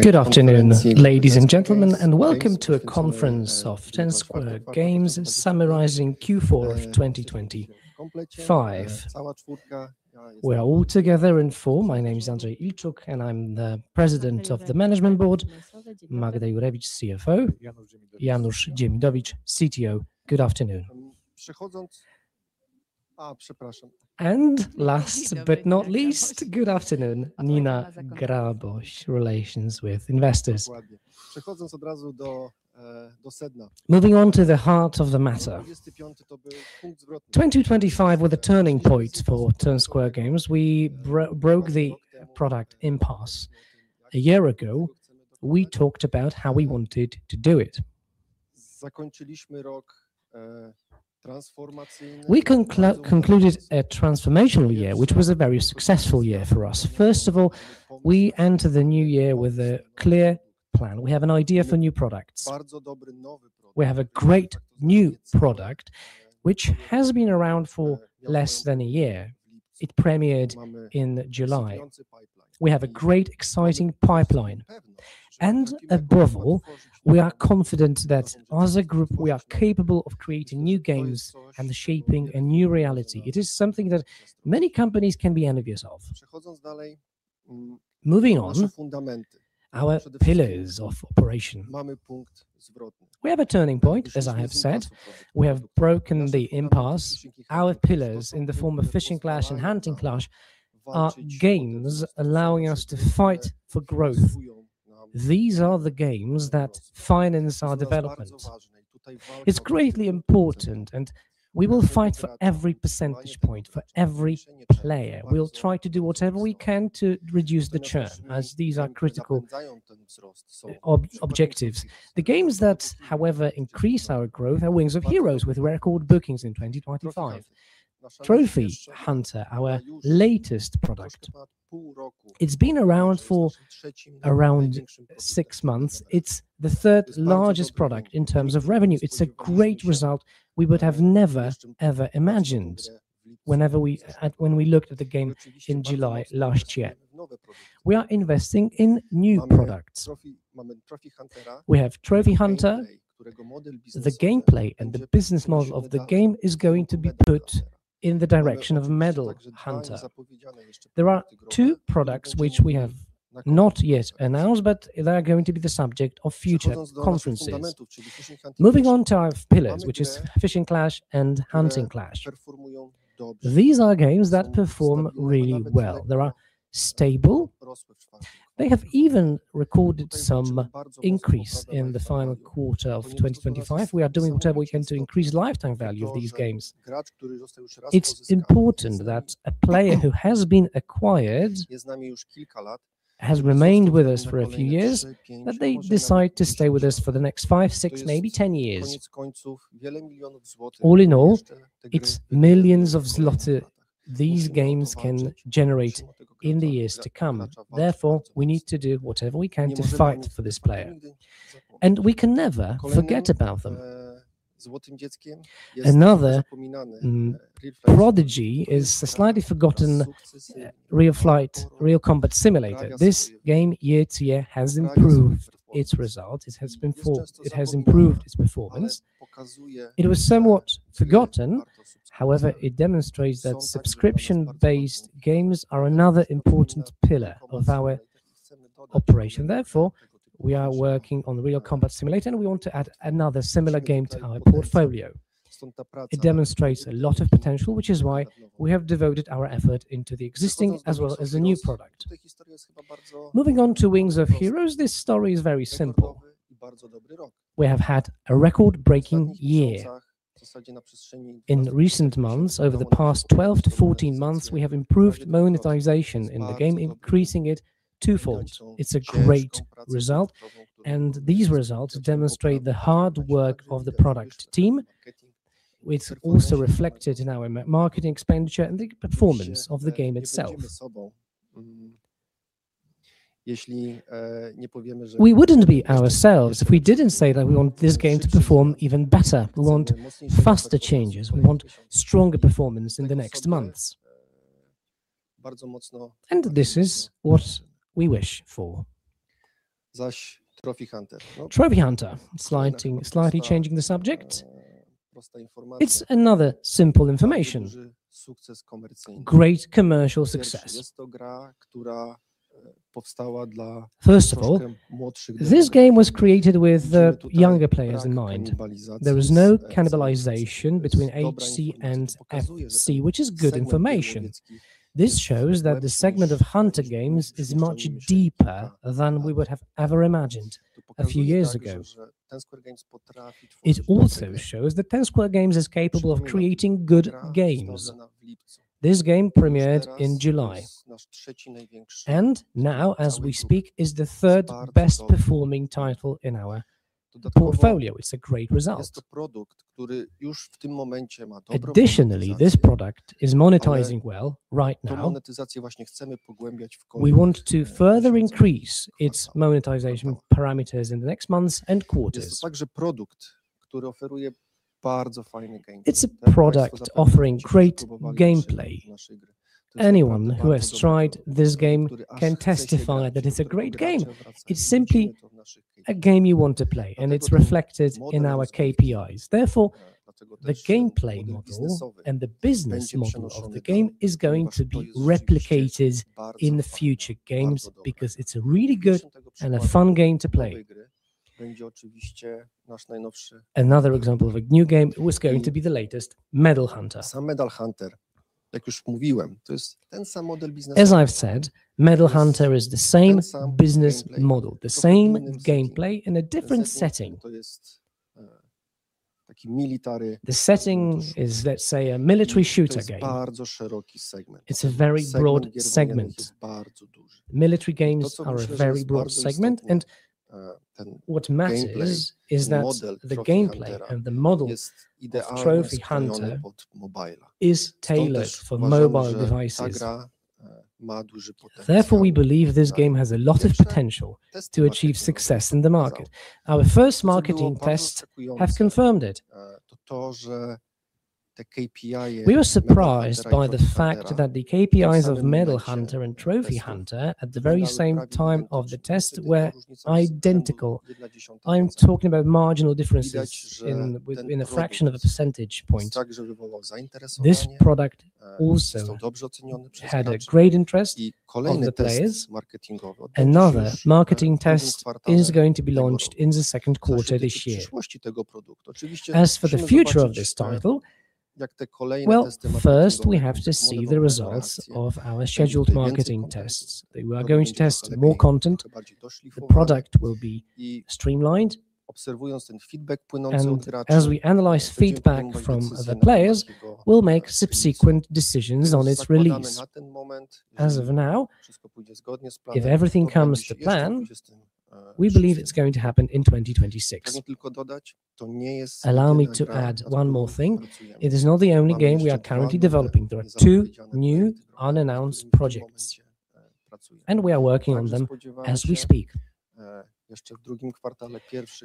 Good afternoon, ladies and gentlemen, and welcome to a conference of Ten Square Games summarizing Q4 of 2025. We are all together in full. My name is Andrzej Ilczuk, and I'm the President of the Management Board. Magda Jurewicz, CFO. Janusz Dziemidowicz, CTO. Good afternoon. Last but not least, good afternoon, Nina Grabos, Investor Relations. Moving on to the heart of the matter. 2025 was the turning point for Ten Square Games. We broke the product impasse. A year ago, we talked about how we wanted to do it. We concluded a transformational year, which was a very successful year for us. First of all, we enter the new year with a clear plan. We have an idea for new products. We have a great new product which has been around for less than a year. It premiered in July. We have a great exciting pipeline, and above all, we are confident that as a group, we are capable of creating new games and shaping a new reality. It is something that many companies can be envious of. Moving on, our pillars of operation. We have a turning point, as I have said. We have broken the impasse. Our pillars in the form of Fishing Clash and Hunting Clash are games allowing us to fight for growth. These are the games that finance our development. It's greatly important, and we will fight for every percentage point, for every player. We'll try to do whatever we can to reduce the churn, as these are critical objectives. The games that, however, increase our growth are Wings of Heroes with record bookings in 2025. Trophy Hunter, our latest product, it's been around for around six months. It's the third largest product in terms of revenue. It's a great result we would have never, ever imagined when we looked at the game in July last year. We are investing in new products. We have Trophy Hunter. The gameplay and the business model of the game is going to be put in the direction of Medal Hunter. There are two products which we have not yet announced, but they are going to be the subject of future conferences. Moving on to our pillars, which is Fishing Clash and Hunting Clash. These are games that perform really well. They are stable. They have even recorded some increase in the final quarter of 2025. We are doing whatever we can to increase lifetime value of these games. It's important that a player who has been acquired has remained with us for a few years, that they decide to stay with us for the next five, six, maybe 10 years. All in all, it's millions zloty these games can generate in the years to come. Therefore, we need to do whatever we can to fight for this player, and we can never forget about them. Another prodigy is a slightly forgotten Real Combat Simulator. This game year-to-year has improved its result. It has improved its performance. It was somewhat forgotten. However, it demonstrates that subscription-based games are another important pillar of our operation. Therefore, we are working on Real Combat Simulator, and we want to add another similar game to our portfolio. It demonstrates a lot of potential, which is why we have devoted our effort into the existing as well as the new product. Moving on to Wings of Heroes, this story is very simple. We have had a record-breaking year. In recent months, over the past 12-14 months, we have improved monetization in the game, increasing it twofold. It's a great result, and these results demonstrate the hard work of the product team. It's also reflected in our marketing expenditure and the performance of the game itself. We wouldn't be ourselves if we didn't say that we want this game to perform even better. We want faster changes. We want stronger performance in the next months. This is what we wish for. Trophy Hunter, slightly changing the subject. It's another simple information, great commercial success. First of all, this game was created with younger players in mind. There is no cannibalization between HC and FC, which is good information. This shows that the segment of hunter games is much deeper than we would have ever imagined a few years ago. It also shows that Ten Square Games is capable of creating good games. This game premiered in July and now, as we speak, is the third best-performing title in our portfolio. It's a great result. Additionally, this product is monetizing well right now. We want to further increase its monetization parameters in the next months and quarters. It's a product offering great gameplay. Anyone who has tried this game can testify that it's a great game. It's simply a game you want to play, and it's reflected in our KPIs. Therefore, the gameplay model and the business model of the game is going to be replicated in the future games because it's a really good and a fun game to play. Another example of a new game was going to be the latest, Medal Hunter. As I've said, Medal Hunter is the same business model, the same gameplay in a different setting. The setting is, let's say, a military shooter game. It's a very broad segment. Military games are a very broad segment, and what matters is that the gameplay and the model of Trophy Hunter is tailored for mobile devices. Therefore, we believe this game has a lot of potential to achieve success in the market. Our first marketing tests have confirmed it. We were surprised by the fact that the KPIs of Medal Hunter and Trophy Hunter at the very same time of the test were identical. I'm talking about marginal differences in, within a fraction of a percentage point. This product also had a great interest from the players. Another marketing test is going to be launched in the second quarter this year. As for the future of this title, well, first we have to see the results of our scheduled marketing tests. We are going to test more content, the product will be streamlined, and as we analyze feedback from the players, we'll make subsequent decisions on its release. As of now, if everything comes to plan, we believe it's going to happen in 2026. Allow me to add one more thing. It is not the only game we are currently developing. There are two new unannounced projects, and we are working on them as we speak.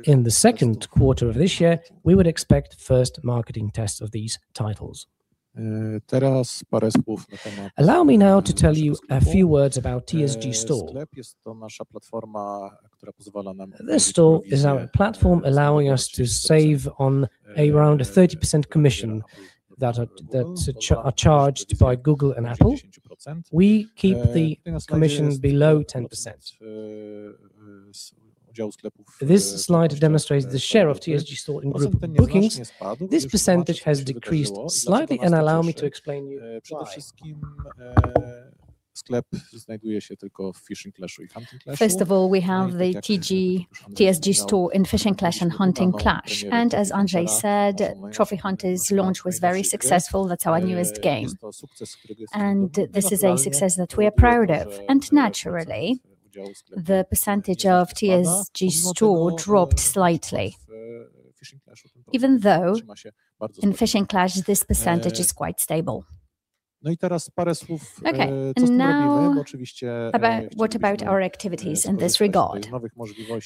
In the second quarter of this year, we would expect first marketing tests of these titles. Allow me now to tell you a few words about TSG Store. The store is our platform allowing us to save on around a 30% commission that are charged by Google and Apple. We keep the commission below 10%. This slide demonstrates the share of TSG Store in group bookings. This percentage has decreased slightly, and allow me to explain to you why. First of all, we have the TSG Store in Fishing Clash and Hunting Clash. As Andrzej said, Trophy Hunter's launch was very successful. That's our newest game. This is a success that we are proud of. Naturally, the percentage of TSG Store dropped slightly, even though in Fishing Clash, this percentage is quite stable. Okay. Now, about our activities in this regard.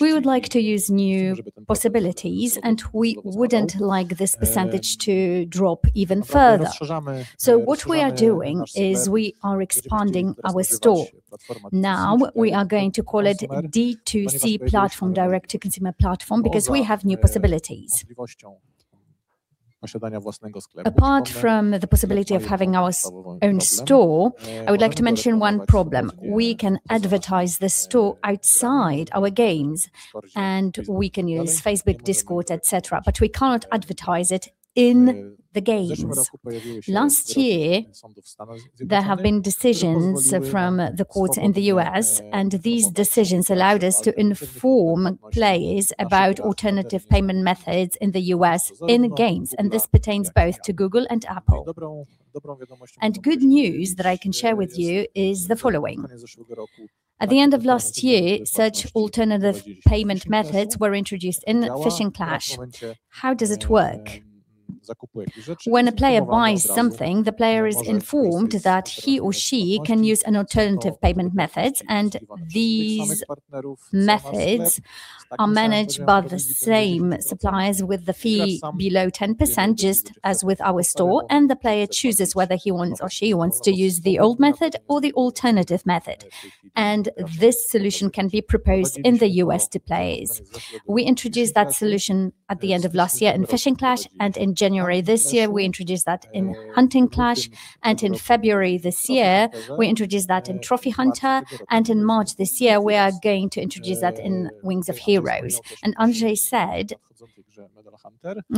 We would like to use new possibilities, and we wouldn't like this percentage to drop even further. What we are doing is we are expanding our store. Now, we are going to call it D2C platform, direct-to-consumer platform, because we have new possibilities. Apart from the possibility of having our own store, I would like to mention one problem. We can advertise the store outside our games, and we can use Facebook, Discord, et cetera, but we cannot advertise it in the games. Last year, there have been decisions from the court in the U.S., and these decisions allowed us to inform players about alternative payment methods in the U.S. in games, and this pertains both to Google and Apple. Good news that I can share with you is the following. At the end of last year, such alternative payment methods were introduced in Fishing Clash. How does it work? When a player buys something, the player is informed that he or she can use an alternative payment method, and these methods are managed by the same suppliers with the fee below 10%, just as with our store, and the player chooses whether he wants or she wants to use the old method or the alternative method. This solution can be proposed in the U.S. to players. We introduced that solution at the end of last year in Fishing Clash, and in January this year, we introduced that in Hunting Clash, and in February this year, we introduced that in Trophy Hunter, and in March this year, we are going to introduce that in Wings of Heroes. Andrzej said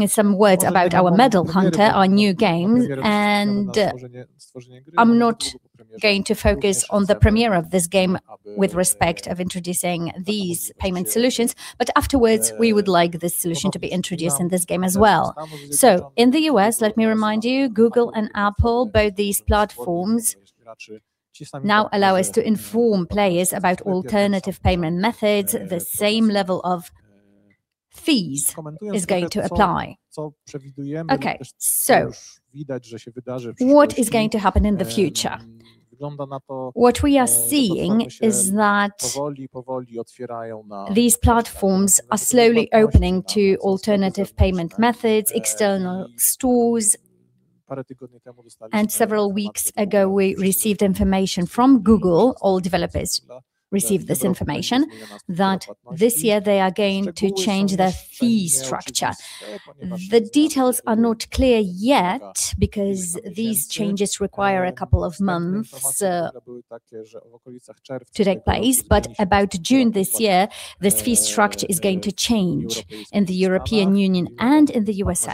some words about our Medal Hunter, our new game, and I'm not going to focus on the premiere of this game with respect to introducing these payment solutions, but afterwards, we would like this solution to be introduced in this game as well. In the U.S., let me remind you, Google and Apple, both these platforms now allow us to inform players about alternative payment methods. The same level of fees is going to apply. Okay. What is going to happen in the future? What we are seeing is that these platforms are slowly opening to alternative payment methods, external stores. Several weeks ago, we received information from Google. All developers received this information, that this year they are going to change their fee structure. The details are not clear yet because these changes require a couple of months to take place. About June this year, this fee structure is going to change in the European Union and in the U.S.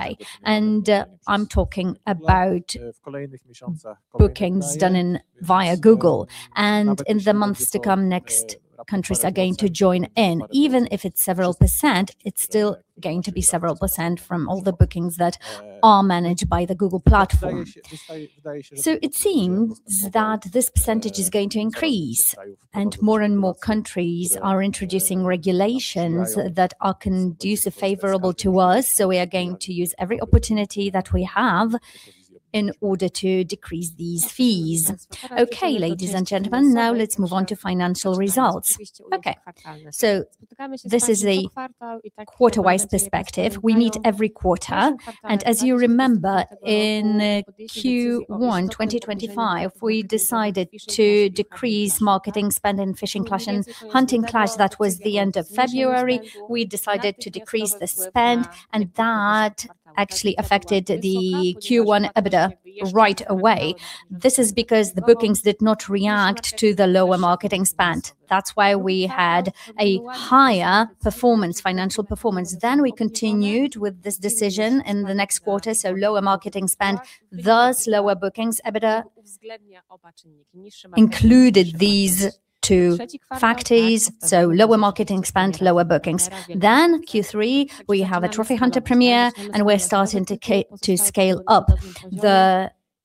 I'm talking about bookings done via Google. In the months to come, next countries are going to join in. Even if it's several percent, it's still going to be several percent from all the bookings that are managed by the Google platform. It seems that this percentage is going to increase, and more and more countries are introducing regulations that are conducive favorable to us, so we are going to use every opportunity that we have in order to decrease these fees. Okay, ladies and gentlemen, now let's move on to financial results. Okay. This is a quarter-wise perspective. We meet every quarter, and as you remember, in Q1, 2025, we decided to decrease marketing spend in Fishing Clash and Hunting Clash. That was the end of February. We decided to decrease the spend, and that actually affected the Q1 EBITDA right away. This is because the bookings did not react to the lower marketing spend. That's why we had a higher performance, financial performance. We continued with this decision in the next quarter, so lower marketing spend, thus lower bookings. EBITDA included these two factors, so lower marketing spend, lower bookings. Q3, we have a Trophy Hunter premiere, and we're starting to scale up.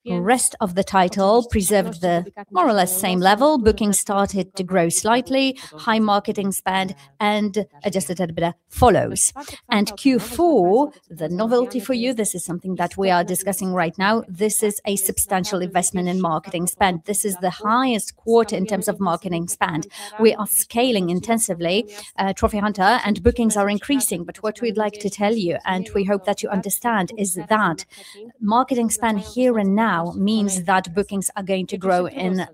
The rest of the title preserved the more or less same level. Bookings started to grow slightly, high marketing spend and Adjusted EBITDA follows. Q4, the novelty for you, this is something that we are discussing right now. This is a substantial investment in marketing spend. This is the highest quarter in terms of marketing spend. We are scaling intensively, Trophy Hunter, and bookings are increasing. What we'd like to tell you, and we hope that you understand, is that marketing spend here and now means that bookings are going to grow in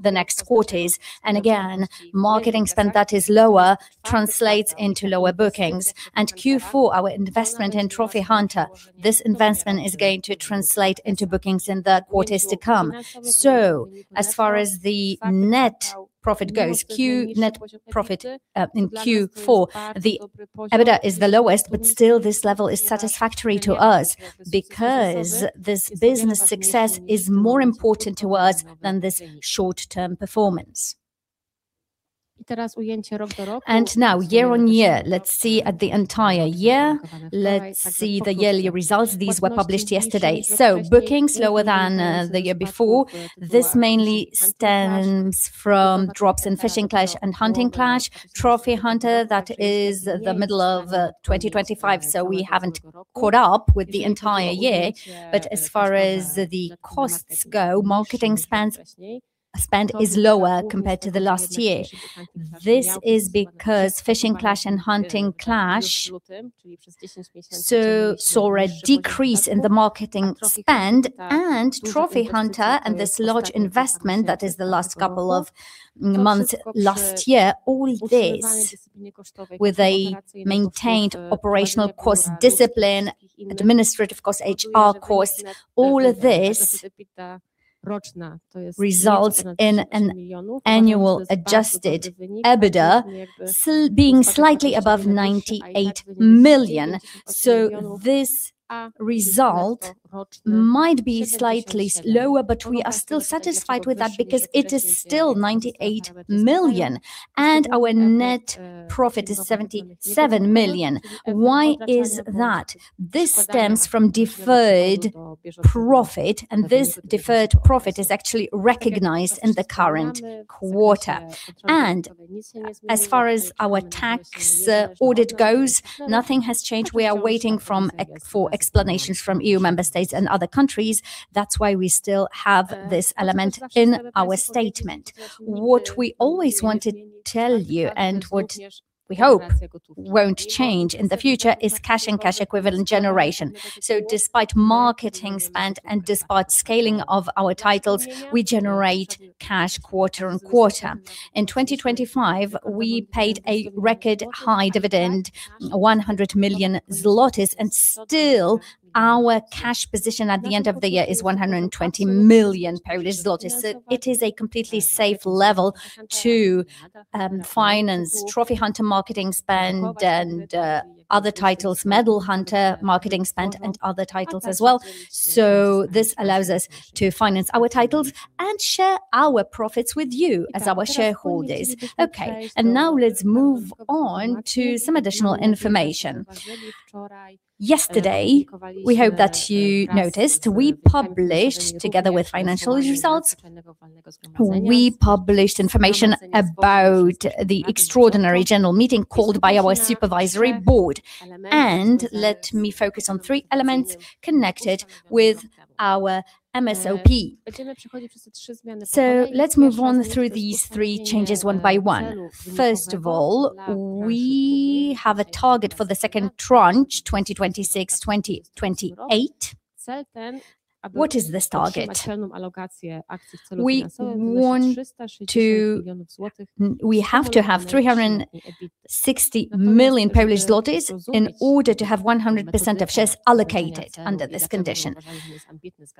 the next quarters. Again, marketing spend that is lower translates into lower bookings. Q4, our investment in Trophy Hunter, this investment is going to translate into bookings in the quarters to come. As far as the net profit goes, Q net profit in Q4, the EBITDA is the lowest, but still this level is satisfactory to us because this business success is more important to us than this short-term performance. Now year-on-year, let's see at the entire year. Let's see the yearly results. These were published yesterday. Bookings lower than the year before. This mainly stems from drops in Fishing Clash and Hunting Clash. Trophy Hunter, that is the middle of 2025, so we haven't caught up with the entire year. As far as the costs go, marketing spends, spend is lower compared to the last year. This is because Fishing Clash and Hunting Clash saw a decrease in the marketing spend. Trophy Hunter and this large investment, that is the last couple of months last year, all this with a maintained operational cost discipline, administrative cost, HR cost, all of this results in an annual adjusted EBITDA still being slightly above 98 million. This result might be slightly slower, but we are still satisfied with that because it is still 98 million, and our net profit is 77 million. Why is that? This stems from deferred profit, and this deferred profit is actually recognized in the current quarter. As far as our tax audit goes, nothing has changed. We are waiting for explanations from EU member states and other countries. That's why we still have this element in our statement. What we always want to tell you, and what we hope won't change in the future, is cash and cash equivalent generation. Despite marketing spend and despite scaling of our titles, we generate cash quarter on quarter. In 2025, we paid a record high dividend, 100 million zlotys, and still our cash position at the end of the year is 120 million zlotys. It is a completely safe level to finance Trophy Hunter marketing spend and other titles, Medal Hunter marketing spend, and other titles as well. This allows us to finance our titles and share our profits with you as our shareholders. Okay. Now let's move on to some additional information. Yesterday, we hope that you noticed, we published, together with financial results. We published information about the extraordinary general meeting called by our supervisory board. Let me focus on three elements connected with our MSOP. Let's move on through these three changes one by one. First of all, we have a target for the second tranche, 2026, 2028. What is this target? We have to have 360 million Polish zlotys in order to have 100% of shares allocated under this condition.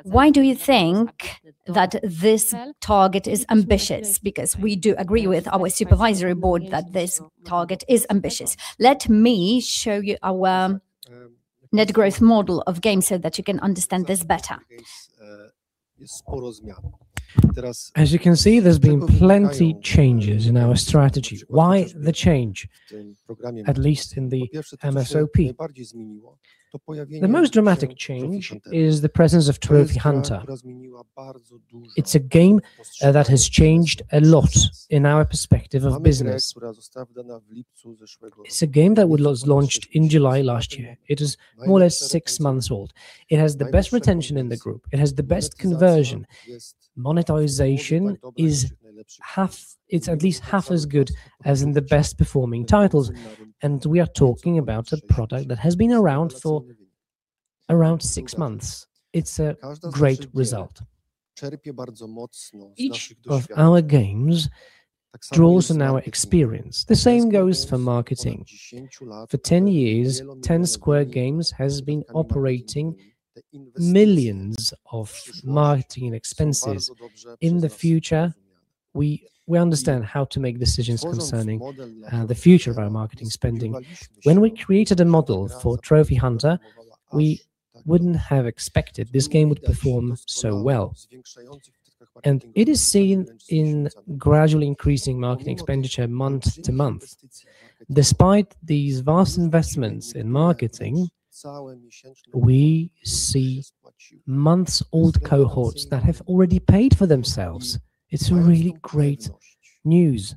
Why do you think that this target is ambitious? Because we do agree with our supervisory board that this target is ambitious. Let me show you our net growth model of game so that you can understand this better. As you can see, there's been plenty changes in our strategy. Why the change, at least in the MSOP? The most dramatic change is the presence of Trophy Hunter. It's a game that has changed a lot in our perspective of business. It's a game that was launched in July last year. It is more or less six months old. It has the best retention in the group. It has the best conversion. Monetization is at least half as good as in the best performing titles, and we are talking about a product that has been around for around six months. It's a great result. Each of our games draws on our experience. The same goes for marketing. For ten years, Ten Square Games has been operating millions of marketing expenses. In the future, we understand how to make decisions concerning the future of our marketing spending. When we created a model for Trophy Hunter, we wouldn't have expected this game would perform so well. It is seen in gradually increasing marketing expenditure month to month. Despite these vast investments in marketing, we see months-old cohorts that have already paid for themselves. It's really great news.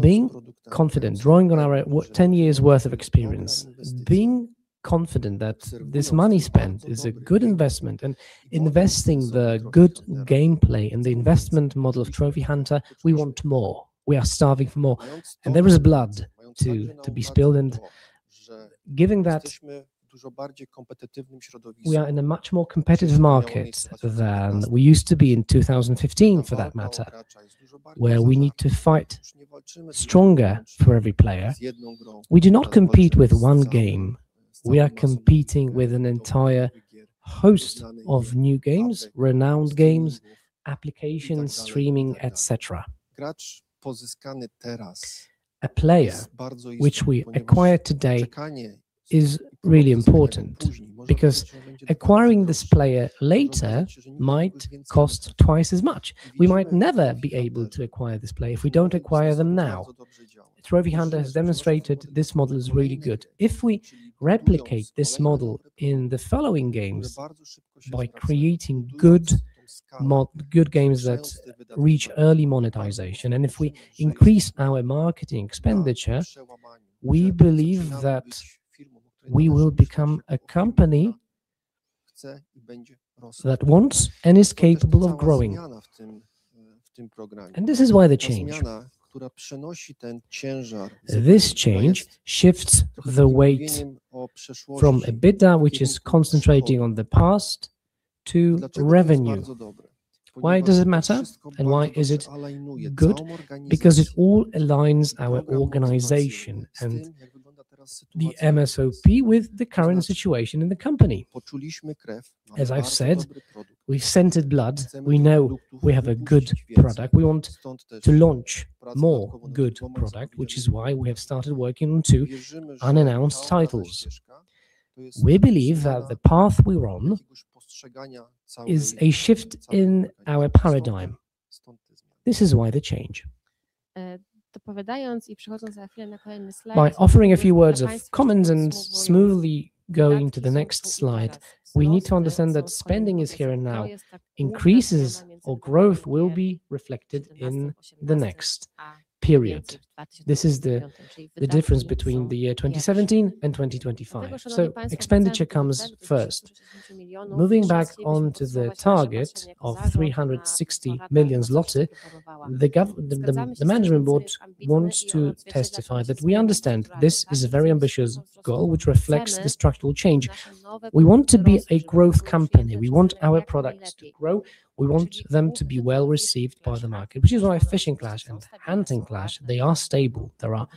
Being confident, drawing on our 10 years worth of experience, being confident that this money spent is a good investment and investing the good gameplay in the investment model of Trophy Hunter, we want more. We are starving for more, and there is blood to be spilled. Given that we are in a much more competitive market than we used to be in 2015 for that matter, where we need to fight stronger for every player. We do not compete with one game. We are competing with an entire host of new games, renowned games, applications, streaming, et cetera. A player which we acquire today is really important because acquiring this player later might cost twice as much. We might never be able to acquire this player if we don't acquire them now. Trophy Hunter has demonstrated this model is really good. If we replicate this model in the following games by creating good games that reach early monetization, and if we increase our marketing expenditure, we believe that we will become a company that wants and is capable of growing. This is why the change. This change shifts the weight from EBITDA, which is concentrating on the past, to revenue. Why does it matter, and why is it good? Because it all aligns our organization and the MSOP with the current situation in the company. As I've said, we've scented blood. We know we have a good product. We want to launch more good product, which is why we have started working on two unannounced titles. We believe that the path we're on is a shift in our paradigm. This is why the change. By offering a few words of comment and smoothly going to the next slide, we need to understand that spending is here and now. Increases or growth will be reflected in the next period. This is the difference between the year 2017 and 2025. Expenditure comes first. Moving back onto the target of 360 million zloty, the management board wants to testify that we understand this is a very ambitious goal which reflects the structural change. We want to be a growth company. We want our products to grow. We want them to be well-received by the market, which is why Fishing Clash and Hunting Clash, they are stable. They are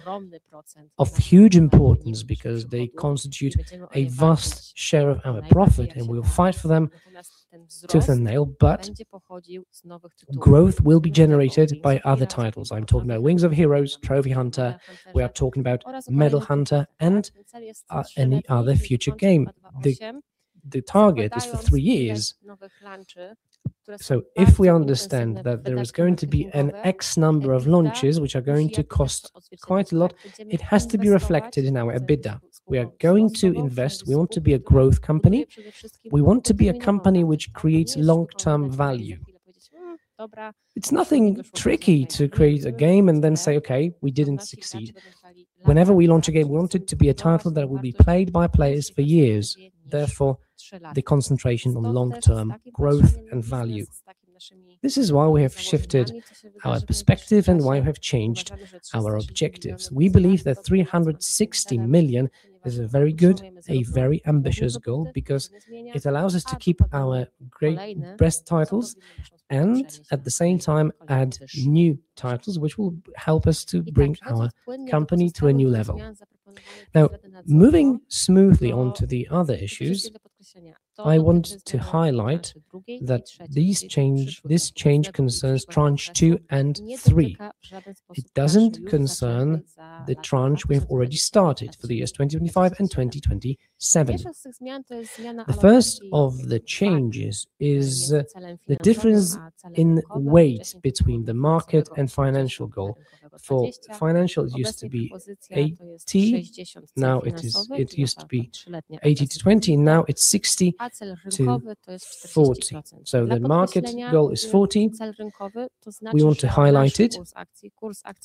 of huge importance because they constitute a vast share of our profit, and we'll fight for them tooth and nail. Growth will be generated by other titles. I'm talking about Wings of Heroes, Trophy Hunter. We are talking about Medal Hunter and any other future game. The target is for three years. If we understand that there is going to be an X number of launches, which are going to cost quite a lot, it has to be reflected in our EBITDA. We are going to invest. We want to be a growth company. We want to be a company which creates long-term value. It's nothing tricky to create a game and then say, "Okay, we didn't succeed." Whenever we launch a game, we want it to be a title that will be played by players for years, therefore, the concentration on long-term growth and value. This is why we have shifted our perspective and why we have changed our objectives. We believe that 360 million is a very good, a very ambitious goal because it allows us to keep our great best titles, and at the same time, add new titles, which will help us to bring our company to a new level. Now, moving smoothly onto the other issues, I want to highlight that this change concerns tranche 2 and 3. It doesn't concern the tranche we've already started for the years 2025 and 2027. The first of the changes is the difference in weight between the market and financial goal. For financial, it used to be 80%-20%, now it's 60%-40%. The market goal is 40%. We want to highlight it,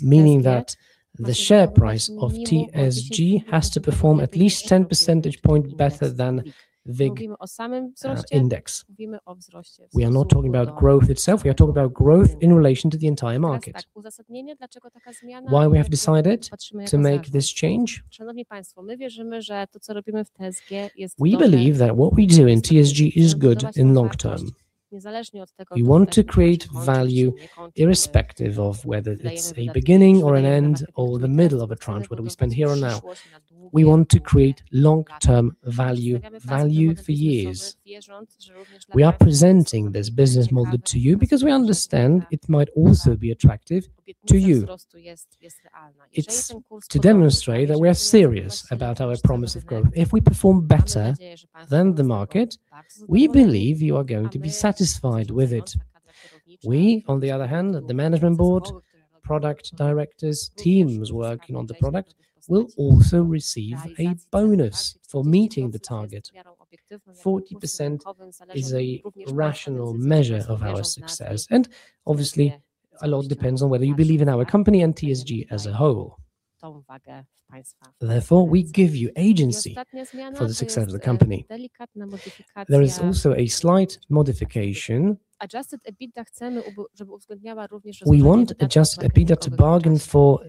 meaning that the share price of TSG has to perform at least 10 percentage point better than the index. We are not talking about growth itself, we are talking about growth in relation to the entire market. Why we have decided to make this change? We believe that what we do in TSG is good in long term. We want to create value irrespective of whether it's a beginning or an end or the middle of a tranche, whether we spend here or now. We want to create long-term value for years. We are presenting this business model to you because we understand it might also be attractive to you. It's to demonstrate that we are serious about our promise of growth. If we perform better than the market, we believe you are going to be satisfied with it. We, on the other hand, the Management Board, product directors, teams working on the product, will also receive a bonus for meeting the target. 40% is a rational measure of our success, and obviously, a lot depends on whether you believe in our company and TSG as a whole. Therefore, we give you agency for the success of the company. There is also a slight modification. We want Adjusted EBITDA to be adjusted for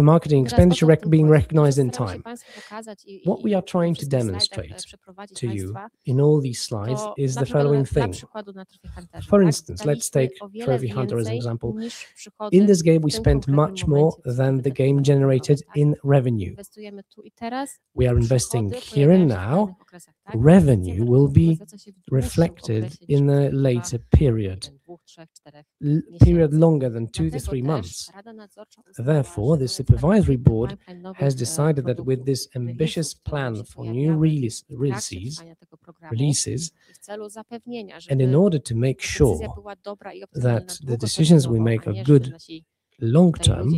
marketing expenditure being recognized in time. What we are trying to demonstrate to you in all these slides is the following thing. For instance, let's take Trophy Hunter as an example. In this game, we spent much more than the game generated in revenue. We are investing here and now. Revenue will be reflected in a later period. Period longer than two to three months. Therefore, the supervisory board has decided that with this ambitious plan for new releases, and in order to make sure that the decisions we make are good long-term,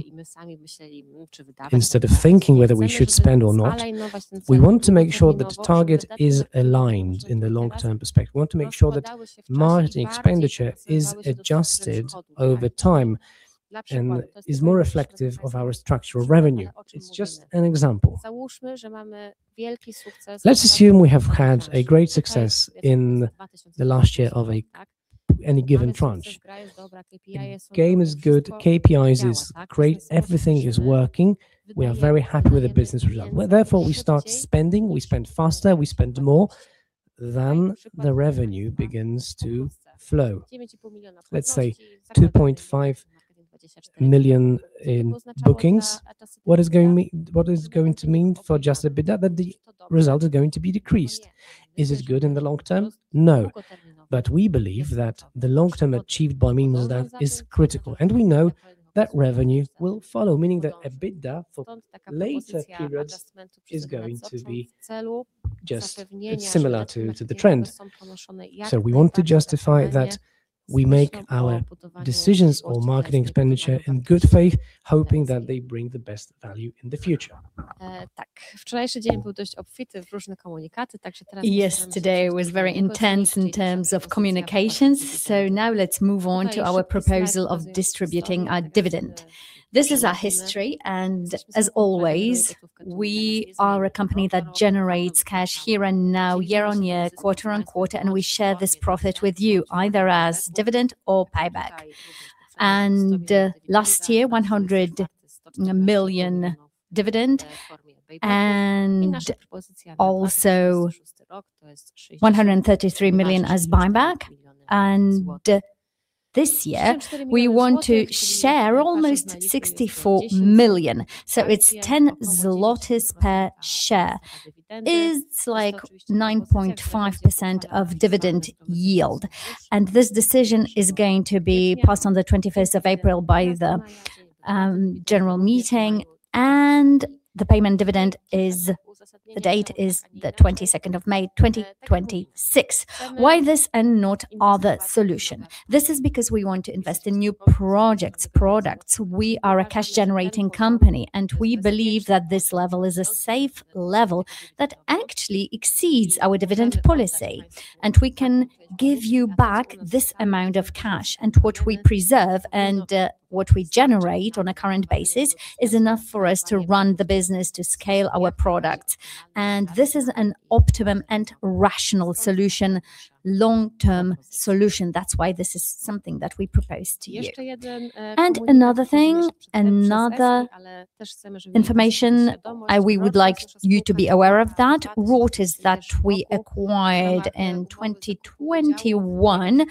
instead of thinking whether we should spend or not, we want to make sure that the target is aligned in the long-term perspective. We want to make sure that marketing expenditure is adjusted over time and is more reflective of our structural revenue. It's just an example. Let's assume we have had a great success in the last year of any given tranche. Game is good, KPIs is great, everything is working. We are very happy with the business result. Well, therefore, we start spending, we spend faster, we spend more, then the revenue begins to flow. Let's say 2.5 million in bookings. What is going to mean for Adjusted EBITDA? That the result is going to be decreased. Is this good in the long term? No. We believe that the long term achieved by means of that is critical, and we know that revenue will follow, meaning that EBITDA for later periods is going to be just similar to the trend. We want to justify that we make our decisions or marketing expenditure in good faith, hoping that they bring the best value in the future. Yesterday was very intense in terms of communications, so now let's move on to our proposal of distributing our dividend. This is our history, and as always, we are a company that generates cash here and now, year on year, quarter on quarter, and we share this profit with you, either as dividend or payback. Last year, 100 million dividend, and also PLN 133 million as buyback. This year, we want to share almost 64 million, so it's 10 zlotys per share. It's like 9.5% of dividend yield. This decision is going to be passed on the 21st April by the general meeting. The payment date is the twenty-second of May, 2026. Why this and not other solution? This is because we want to invest in new projects, products. We are a cash-generating company, and we believe that this level is a safe level that actually exceeds our dividend policy. We can give you back this amount of cash. What we preserve and what we generate on a current basis is enough for us to run the business, to scale our products. This is an optimum and rational solution, long-term solution. That's why this is something that we propose to you. Another thing, another information, and we would like you to be aware of that, Rortos that we acquired in 2021,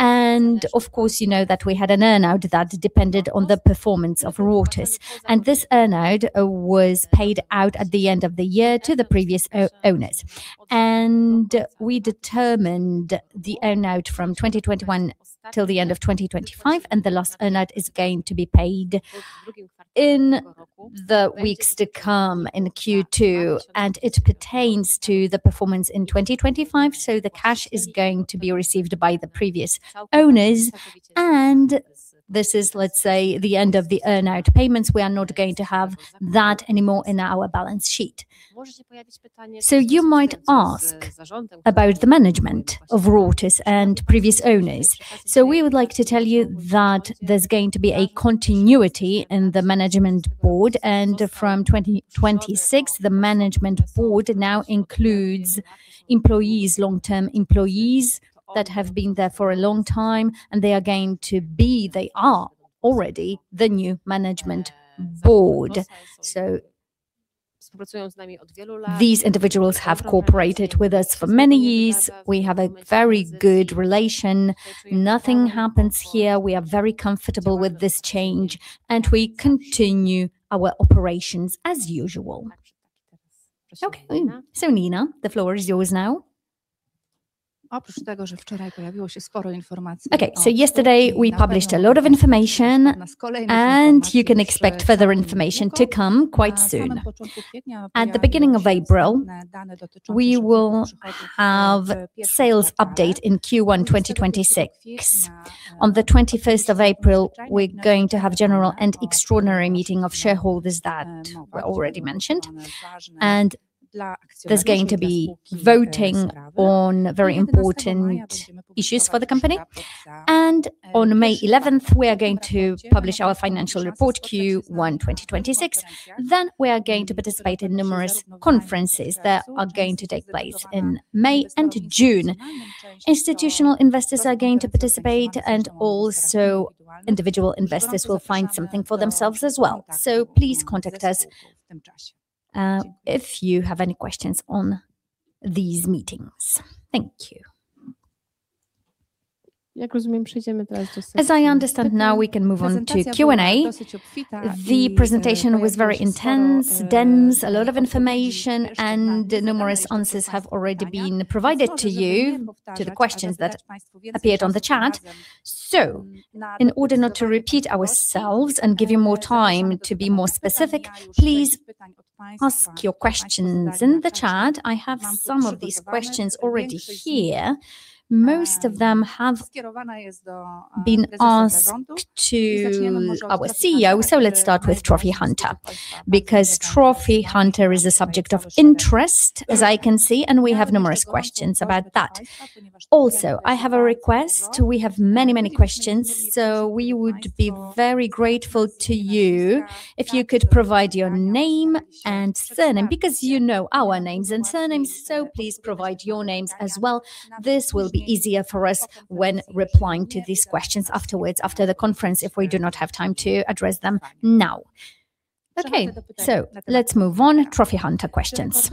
and of course you know that we had an earn-out that depended on the performance of Rortos. This earn-out was paid out at the end of the year to the previous owners. We determined the earn-out from 2021 till the end of 2025, and the last earn-out is going to be paid in the weeks to come in Q2, and it pertains to the performance in 2025. The cash is going to be received by the previous owners, and this is, let's say, the end of the earn-out payments. We are not going to have that anymore in our balance sheet. You might ask about the management of Rortos and previous owners. We would like to tell you that there's going to be a continuity in the management board, and from 2026, the management board now includes employees, long-term employees that have been there for a long time, and they are already the new management board. These individuals have cooperated with us for many years. We have a very good relation. Nothing happens here. We are very comfortable with this change, and we continue our operations as usual. Okay. Nina, the floor is yours now. Okay. Yesterday we published a lot of information, and you can expect further information to come quite soon. At the beginning of April, we will have sales update in Q1 2026. On the 21st of April, we're going to have general and extraordinary meeting of shareholders that were already mentioned, and there's going to be voting on very important issues for the company. On May 11, we are going to publish our financial report Q1 2026. We are going to participate in numerous conferences that are going to take place in May and June. Institutional investors are going to participate, and also individual investors will find something for themselves as well. Please contact us, if you have any questions on these meetings. Thank you. As I understand now, we can move on to Q&A. The presentation was very intense, dense, a lot of information and numerous answers have already been provided to you, to the questions that appeared on the chat. In order not to repeat ourselves and give you more time to be more specific, please ask your questions in the chat. I have some of these questions already here. Most of them have been asked to our CEO, so let's start with Trophy Hunter, because Trophy Hunter is a subject of interest, as I can see, and we have numerous questions about that. Also, I have a request. We have many, many questions, so we would be very grateful to you if you could provide your name and surname, because you know our names and surnames, so please provide your names as well. This will be easier for us when replying to these questions afterwards, after the conference, if we do not have time to address them now. Okay. Let's move on. Trophy Hunter questions.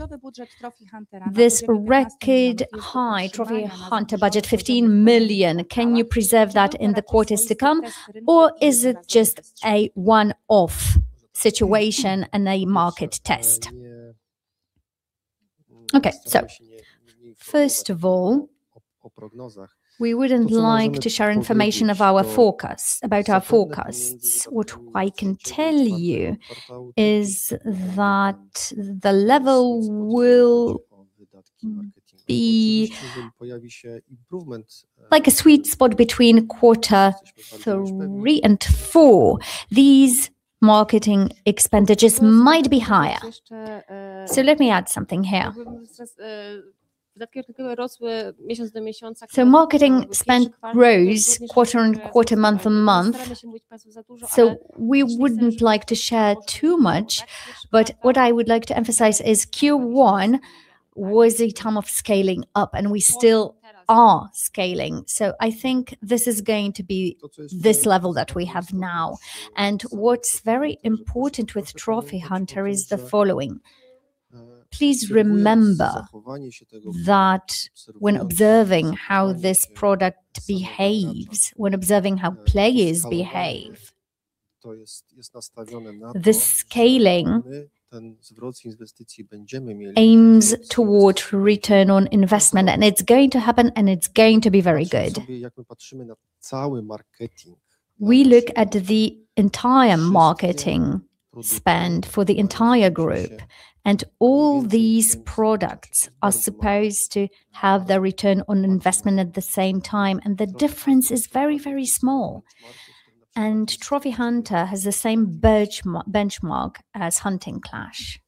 This record high Trophy Hunter budget, 15 million, can you preserve that in the quarters to come, or is it just a one-off situation and a market test? Okay. First of all, we wouldn't like to share information of our forecasts, about our forecasts. What I can tell you is that the level will be like a sweet spot between quarter three and four. These marketing expenditures might be higher. Let me add something here. Marketing spend rose quarter-over-quarter, month-over-month, so we wouldn't like to share too much. What I would like to emphasize is Q1 was a time of scaling up, and we still are scaling. I think this is going to be this level that we have now. What's very important with Trophy Hunter is the following. Please remember that when observing how this product behaves, when observing how players behave, the scaling aims toward return on investment, and it's going to happen, and it's going to be very good. We look at the entire marketing spend for the entire group, and all these products are supposed to have their return on investment at the same time, and the difference is very, very small. Trophy Hunter has the same benchmark as Hunting Clash.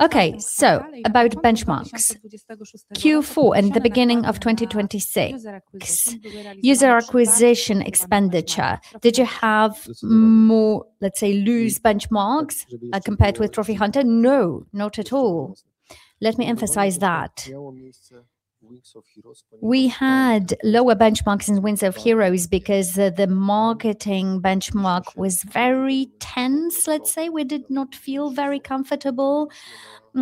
Okay. About benchmarks. Q4 and the beginning of 2026, user acquisition expenditure, did you have more, let's say, loose benchmarks compared with Trophy Hunter? No, not at all. Let me emphasize that. We had lower benchmarks in Wings of Heroes because the marketing benchmark was very tense, let's say. We did not feel very comfortable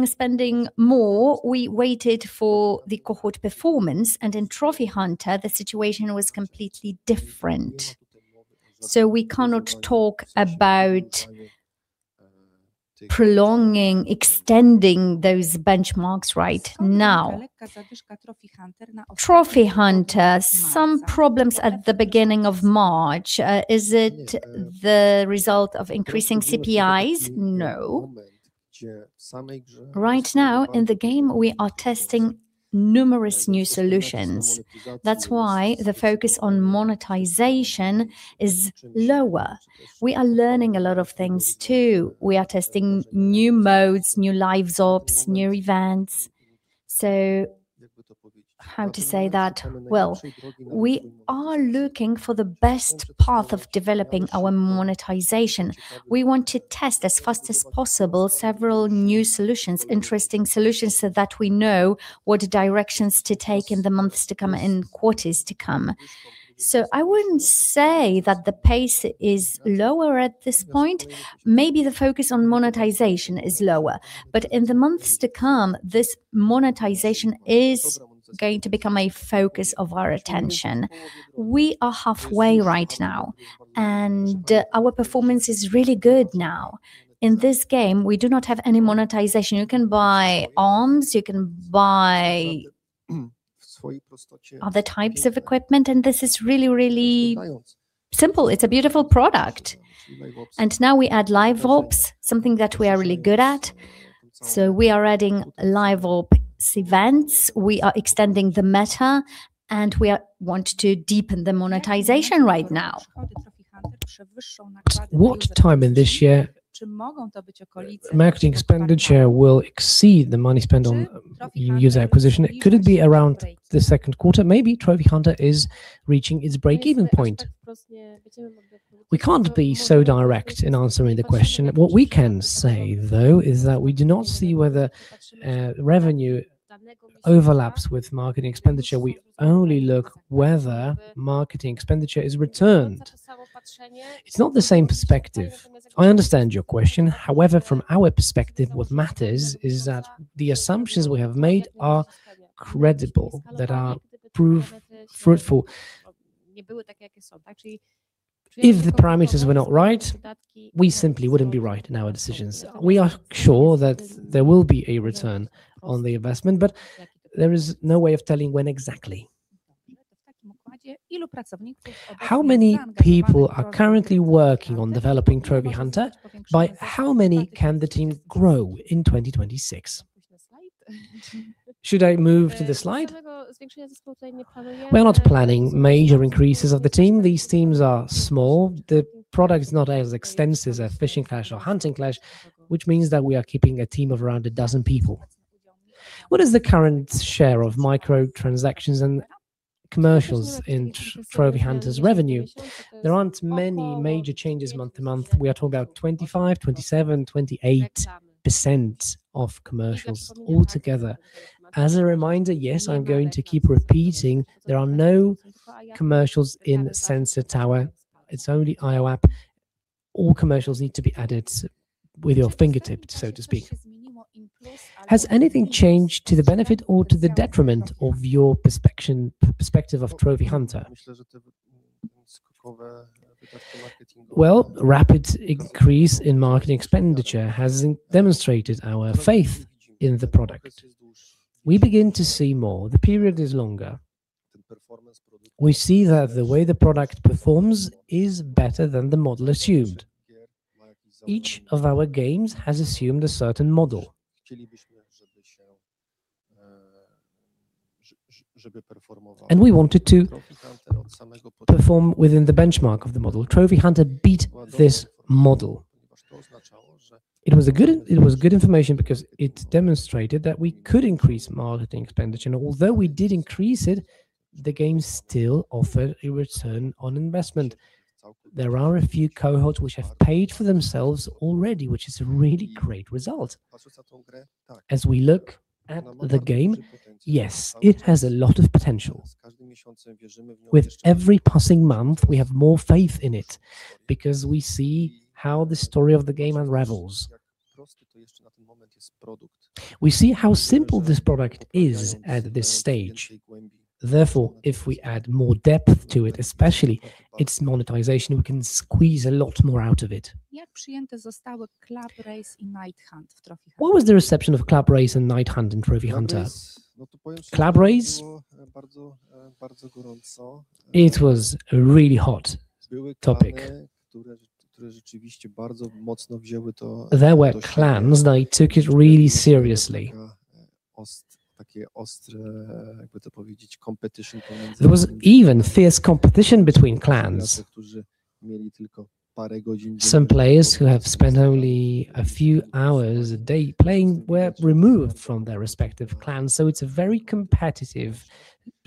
spending more. We waited for the cohort performance, and in Trophy Hunter, the situation was completely different. We cannot talk about prolonging, extending those benchmarks right now. Trophy Hunter, some problems at the beginning of March. Is it the result of increasing CPIs? No. Right now, in the game, we are testing numerous new solutions. That's why the focus on monetization is lower. We are learning a lot of things too. We are testing new modes, new Live Ops, new events. How to say that? Well, we are looking for the best path of developing our monetization. We want to test as fast as possible several new solutions, interesting solutions, so that we know what directions to take in the months to come and quarters to come. I wouldn't say that the pace is lower at this point. Maybe the focus on monetization is lower. In the months to come, this monetization is going to become a focus of our attention. We are halfway right now, and our performance is really good now. In this game, we do not have any monetization. You can buy arms, you can buy other types of equipment, and this is really, really simple. It's a beautiful product. Now we add Live Ops, something that we are really good at. We are adding Live Ops events, we are extending the meta, and we want to deepen the monetization right now. What time in this year marketing expenditure will exceed the money spent on user acquisition? Could it be around the second quarter? Maybe Trophy Hunter is reaching its break-even point. We can't be so direct in answering the question. What we can say, though, is that we do not see whether revenue overlaps with marketing expenditure. We only look whether marketing expenditure is returned. It's not the same perspective. I understand your question. However, from our perspective, what matters is that the assumptions we have made are credible, that they prove fruitful. If the parameters were not right, we simply wouldn't be right in our decisions. We are sure that there will be a return on the investment, but there is no way of telling when exactly. How many people are currently working on developing Trophy Hunter? By how many can the team grow in 2026? Should I move to the slide? We're not planning major increases of the team. These teams are small. The product is not as extensive as a Fishing Clash or Hunting Clash, which means that we are keeping a team of around a dozen people. What is the current share of micro-transactions and commercials in Trophy Hunter's revenue? There aren't many major changes month to month. We are talking about 25%, 27%, 28% of commercials altogether. As a reminder, yes, I'm going to keep repeating, there are no commercials in Sensor Tower. It's only in-app. All commercials need to be added with your fingertip, so to speak. Has anything changed to the benefit or to the detriment of your perspective of Trophy Hunter? Well, rapid increase in marketing expenditure has demonstrated our faith in the product. We begin to see more. The period is longer. We see that the way the product performs is better than the model assumed. Each of our games has assumed a certain model. We wanted to perform within the benchmark of the model. Trophy Hunter beat this model. It was good information because it demonstrated that we could increase marketing expenditure. Although we did increase it, the game still offered a return on investment. There are a few cohorts which have paid for themselves already, which is a really great result. As we look at the game, yes, it has a lot of potential. With every passing month, we have more faith in it because we see how the story of the game unravels. We see how simple this product is at this stage. Therefore, if we add more depth to it, especially its monetization, we can squeeze a lot more out of it. What was the reception of Club Race and Night Hunt in Trophy Hunter? Club Race. It was a really hot topic. There were clans, they took it really seriously. There was even fierce competition between clans. Some players who have spent only a few hours a day playing were removed from their respective clans, so it's a very competitive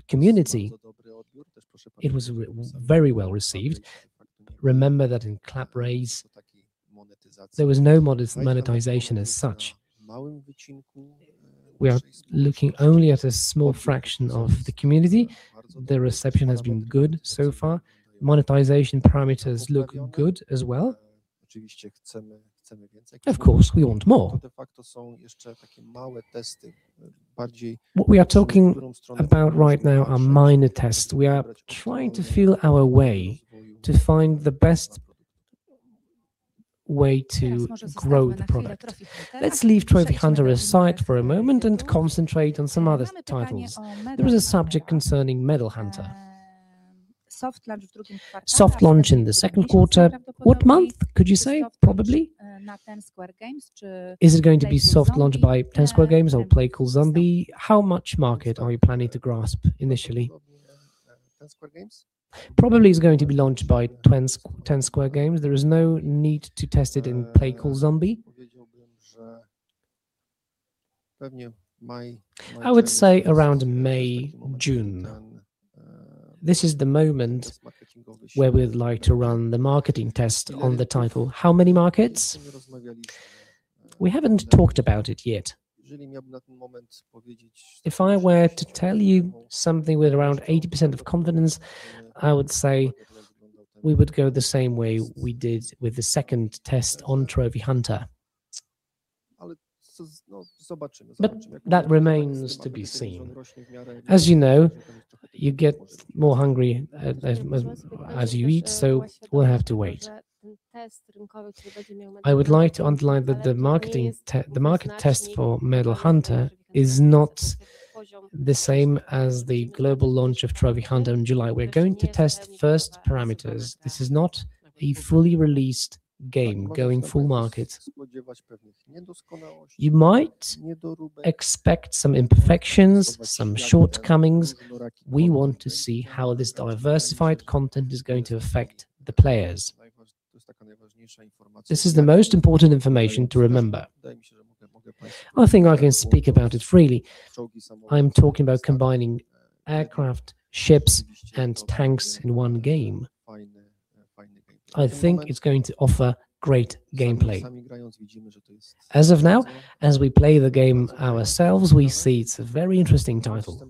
community. It was very well received. Remember that in Club Race, there was no monetization as such. We are looking only at a small fraction of the community. The reception has been good so far. Monetization parameters look good as well. Of course, we want more. What we are talking about right now are minor tests. We are trying to feel our way to find the best way to grow the product. Let's leave Trophy Hunter aside for a moment and concentrate on some other titles. There is a subject concerning Medal Hunter. Soft launch in the second quarter. What month could you say, probably? Is it going to be soft launched by Ten Square Games or Play Cool Zombie? How much market are you planning to grasp initially? Probably it's going to be launched by Ten Square Games. There is no need to test it in Play Cool Zombie. I would say around May, June. This is the moment where we'd like to run the marketing test on the title. How many markets? We haven't talked about it yet. If I were to tell you something with around 80% of confidence, I would say we would go the same way we did with the second test on Trophy Hunter. That remains to be seen. As you know, you get more hungry as you eat, so we'll have to wait. I would like to underline that the market test for Medal Hunter is not the same as the global launch of Trophy Hunter in July. We're going to test first parameters. This is not a fully released game going full market. You might expect some imperfections, some shortcomings. We want to see how this diversified content is going to affect the players. This is the most important information to remember. I think I can speak about it freely. I'm talking about combining aircraft, ships, and tanks in one game. I think it's going to offer great gameplay. As of now, as we play the game ourselves, we see it's a very interesting title.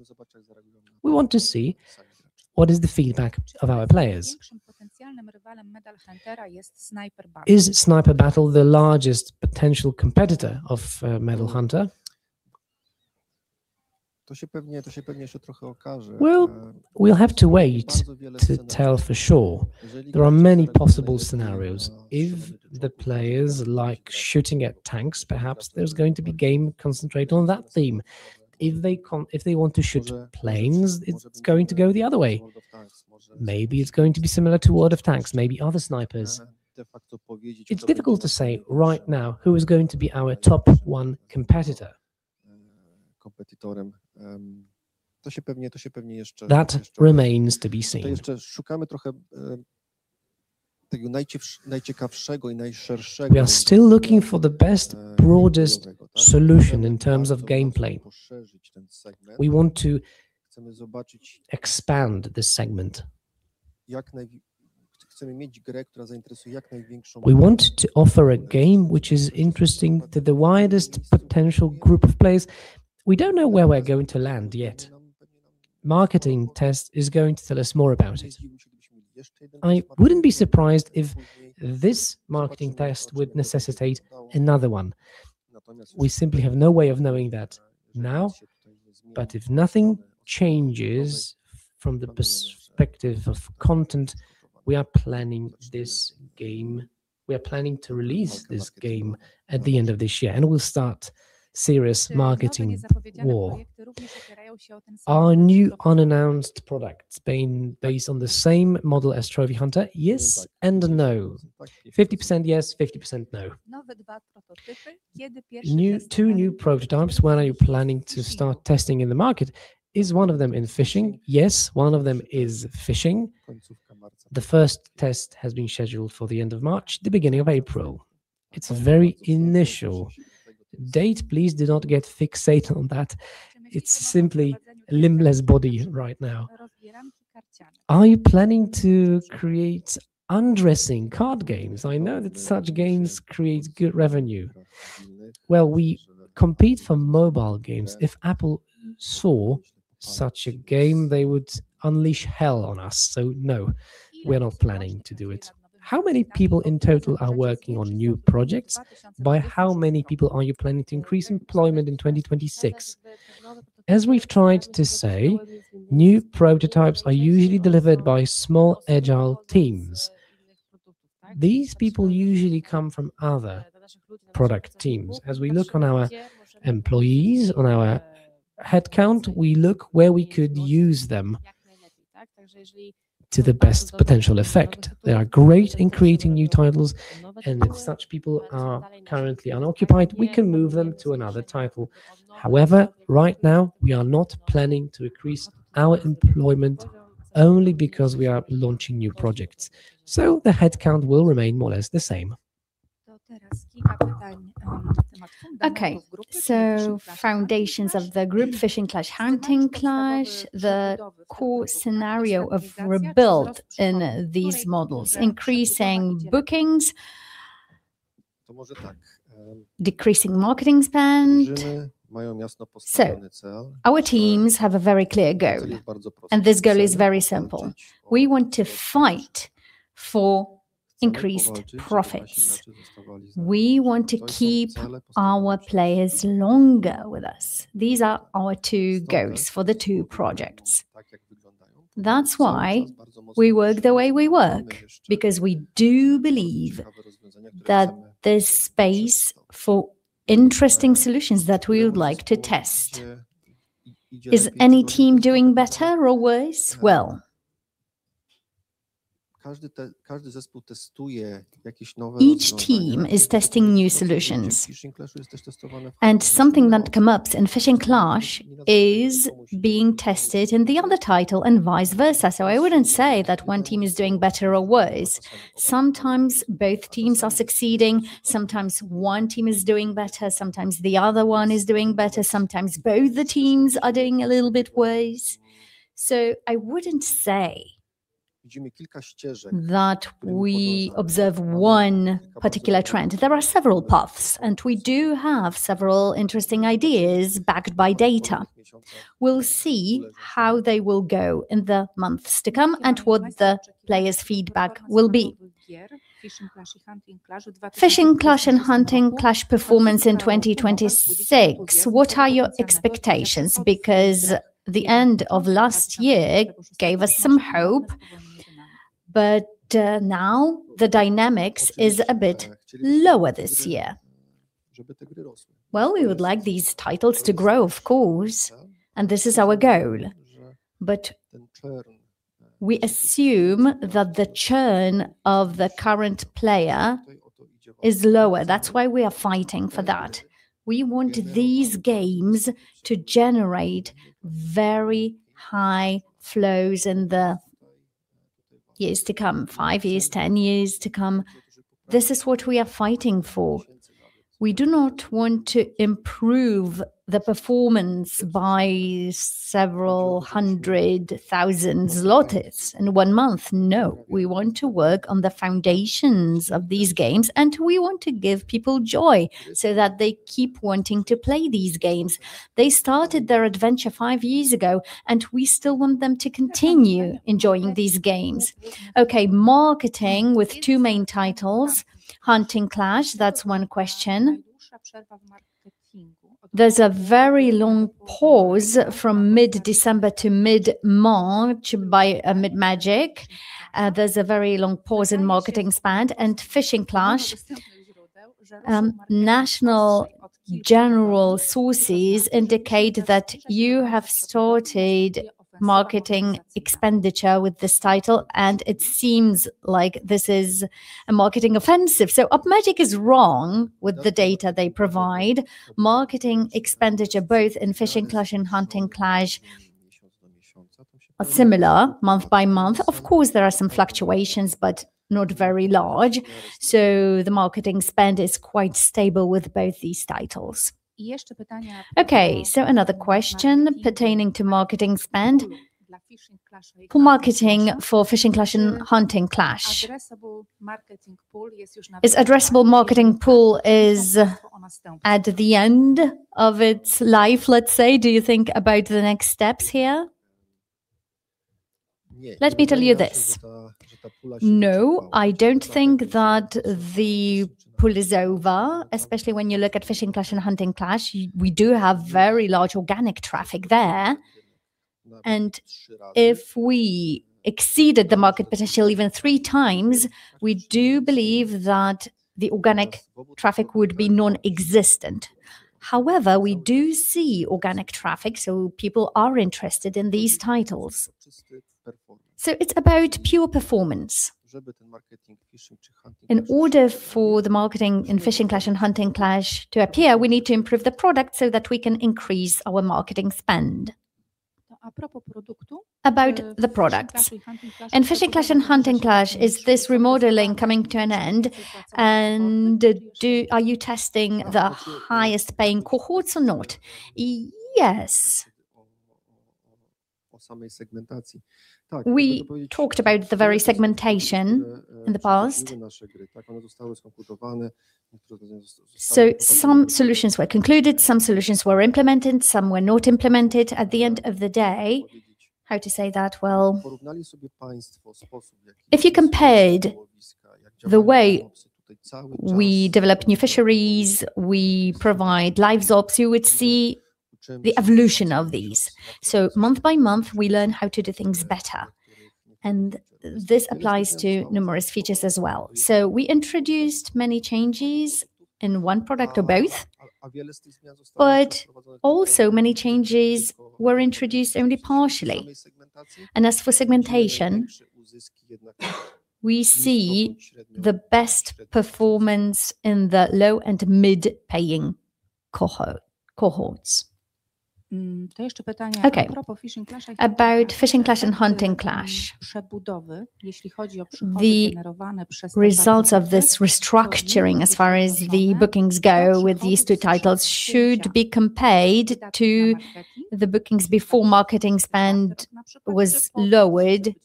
We want to see what is the feedback of our players. Is Sniper Battle the largest potential competitor of Medal Hunter? Well, we'll have to wait to tell for sure. There are many possible scenarios. If the players like shooting at tanks, perhaps there's going to be a game concentrated on that theme. If they want to shoot planes, it's going to go the other way. Maybe it's going to be similar to World of Tanks, maybe other snipers. It's difficult to say right now who is going to be our top one competitor. That remains to be seen. We are still looking for the best, broadest solution in terms of gameplay. We want to expand this segment. We want to offer a game which is interesting to the widest potential group of players. We don't know where we're going to land yet. Marketing test is going to tell us more about it. I wouldn't be surprised if this marketing test would necessitate another one. We simply have no way of knowing that now. If nothing changes from the perspective of content, we are planning to release this game at the end of this year, and we'll start serious marketing war. Are new unannounced products being based on the same model as Trophy Hunter? Yes and no. 50% yes, 50% no. Two new prototypes, when are you planning to start testing in the market? Is one of them in fishing? Yes, one of them is fishing. The first test has been scheduled for the end of March, the beginning of April. It's a very initial date. Please do not get fixated on that. It's simply a limbless body right now. Are you planning to create undressing card games? I know that such games create good revenue. Well, we compete for mobile games. If Apple saw such a game, they would unleash hell on us. No, we're not planning to do it. How many people in total are working on new projects? By how many people are you planning to increase employment in 2026? As we've tried to say, new prototypes are usually delivered by small, agile teams. These people usually come from other product teams. As we look on our employees, on our headcount, we look where we could use them to the best potential effect. They are great in creating new titles, and if such people are currently unoccupied, we can move them to another title. However, right now, we are not planning to increase our employment only because we are launching new projects. The headcount will remain more or less the same. Okay. Foundations of the group, Fishing Clash, Hunting Clash, the core scenario of rebuild in these models, increasing bookings, decreasing marketing spend. Our teams have a very clear goal, and this goal is very simple. We want to fight for increased profits. We want to keep our players longer with us. These are our two goals for the two projects. That's why we work the way we work, because we do believe that there's space for interesting solutions that we would like to test. Is any team doing better or worse? Well, each team is testing new solutions, and something that comes up in Fishing Clash is being tested in the other title and vice versa. I wouldn't say that one team is doing better or worse. Sometimes both teams are succeeding, sometimes one team is doing better, sometimes the other one is doing better, sometimes both the teams are doing a little bit worse. I wouldn't say that we observe one particular trend. There are several paths, and we do have several interesting ideas backed by data. We'll see how they will go in the months to come and what the players' feedback will be. Fishing Clash and Hunting Clash performance in 2026, what are your expectations? Because the end of last year gave us some hope, but now the dynamics is a bit lower this year. Well, we would like these titles to grow, of course, and this is our goal. We assume that the churn of the current player is lower. That's why we are fighting for that. We want these games to generate very high flows in the years to come, five years, 10 years to come. This is what we are fighting for. We do not want to improve the performance by several hundred thousand PLN in one month. No. We want to work on the foundations of these games, and we want to give people joy so that they keep wanting to play these games. They started their adventure five years ago, and we still want them to continue enjoying these games. Okay. Marketing with two main titles, Hunting Clash, that's one question. There's a very long pause from mid-December to mid-March by AppMagic. There's a very long pause in marketing spend and Fishing Clash. Analyst sources indicate that you have started marketing expenditure with this title, and it seems like this is a marketing offensive. AppMagic is wrong with the data they provide. Marketing expenditure, both in Fishing Clash and Hunting Clash, are similar month by month. Of course, there are some fluctuations, but not very large. The marketing spend is quite stable with both these titles. Okay, so another question pertaining to marketing spend. For marketing for Fishing Clash and Hunting Clash, is addressable marketing pool at the end of its life, let's say? Do you think about the next steps here? Let me tell you this. No, I don't think that the pool is over, especially when you look at Fishing Clash and Hunting Clash. We do have very large organic traffic there. If we exceeded the market potential even three times, we do believe that the organic traffic would be non-existent. However, we do see organic traffic, so people are interested in these titles. It's about pure performance. In order for the marketing in Fishing Clash and Hunting Clash to appear, we need to improve the product so that we can increase our marketing spend. About the products. In Fishing Clash and Hunting Clash, is this remodeling coming to an end? Are you testing the highest paying cohorts or not? Yes. We talked about the very segmentation in the past. Some solutions were concluded, some solutions were implemented, some were not implemented. At the end of the day, how to say that? Well, if you compared the way we develop new features, we provide Live Ops, you would see the evolution of these. Month by month, we learn how to do things better, and this applies to numerous features as well. We introduced many changes in one product or both, but also many changes were introduced only partially. As for segmentation, we see the best performance in the low and mid paying cohorts. About Fishing Clash and Hunting Clash, the results of this restructuring as far as the bookings go with these two titles should be compared to the bookings before marketing spend was lowered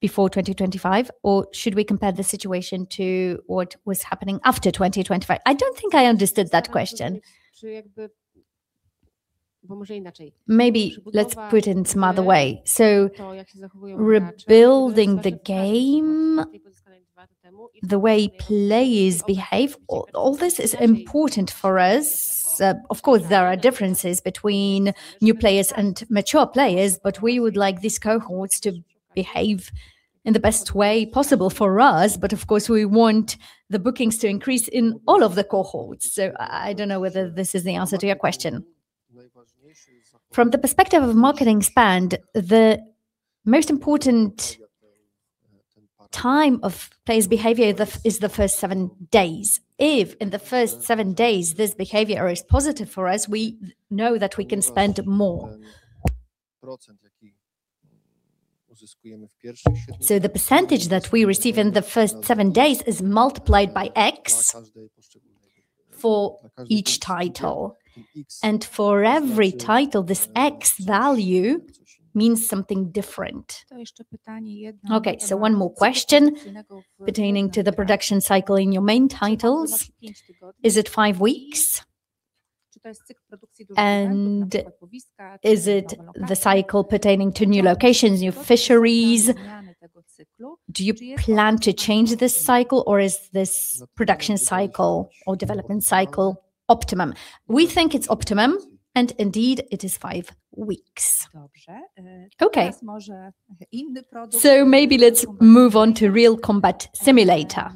before 2025, or should we compare the situation to what was happening after 2025? I don't think I understood that question. Maybe let's put it in some other way. Rebuilding the game, the way players behave, all this is important for us. Of course, there are differences between new players and mature players, but we would like these cohorts to behave in the best way possible for us. Of course, we want the bookings to increase in all of the cohorts. I don't know whether this is the answer to your question. From the perspective of marketing spend, the most important time of players' behavior is the first seven days. If in the first seven days this behavior is positive for us, we know that we can spend more. The percentage that we receive in the first seven days is multiplied by X for each title, and for every title, this X value means something different. Okay, one more question pertaining to the production cycle in your main titles. Is it five weeks? And is it the cycle pertaining to new locations, new fisheries? Do you plan to change this cycle, or is this production cycle or development cycle optimum? We think it's optimum, and indeed, it is five weeks. Okay. Maybe let's move on to Real Combat Simulator.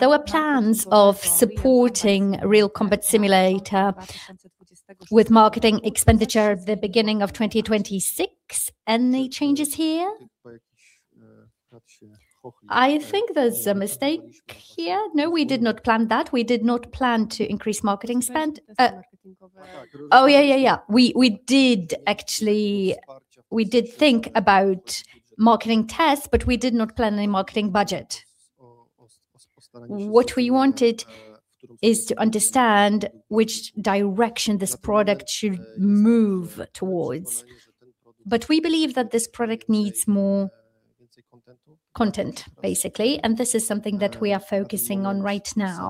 There were plans of supporting Real Combat Simulator with marketing expenditure at the beginning of 2026. Any changes here? I think there's a mistake here. No, we did not plan that. We did not plan to increase marketing spend. We did actually. We did think about marketing tests, but we did not plan any marketing budget. What we wanted is to understand which direction this product should move towards. We believe that this product needs more content, basically, and this is something that we are focusing on right now.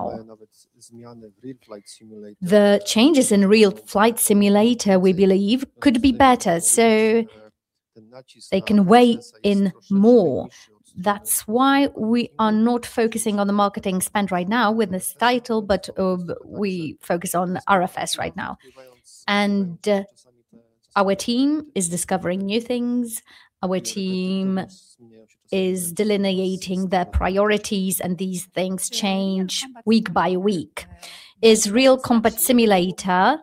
The changes in Real Flight Simulator, we believe, could be better, so they can weigh in more. That's why we are not focusing on the marketing spend right now with this title, but we focus on RFS right now. Our team is discovering new things. Our team is delineating their priorities, and these things change week by week. Is Real Combat Simulator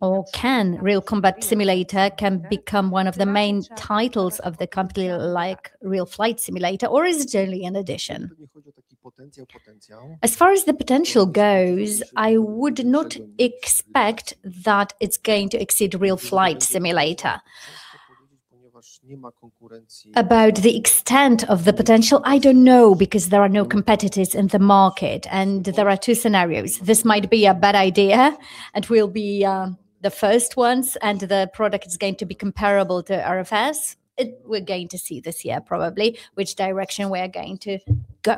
or can Real Combat Simulator become one of the main titles of the company like Real Flight Simulator, or is it only an addition? As far as the potential goes, I would not expect that it's going to exceed Real Flight Simulator. About the extent of the potential, I don't know, because there are no competitors in the market, and there are two scenarios. This might be a bad idea, and we'll be the first ones, and the product is going to be comparable to RFS. We're going to see this year probably, which direction we're going to go.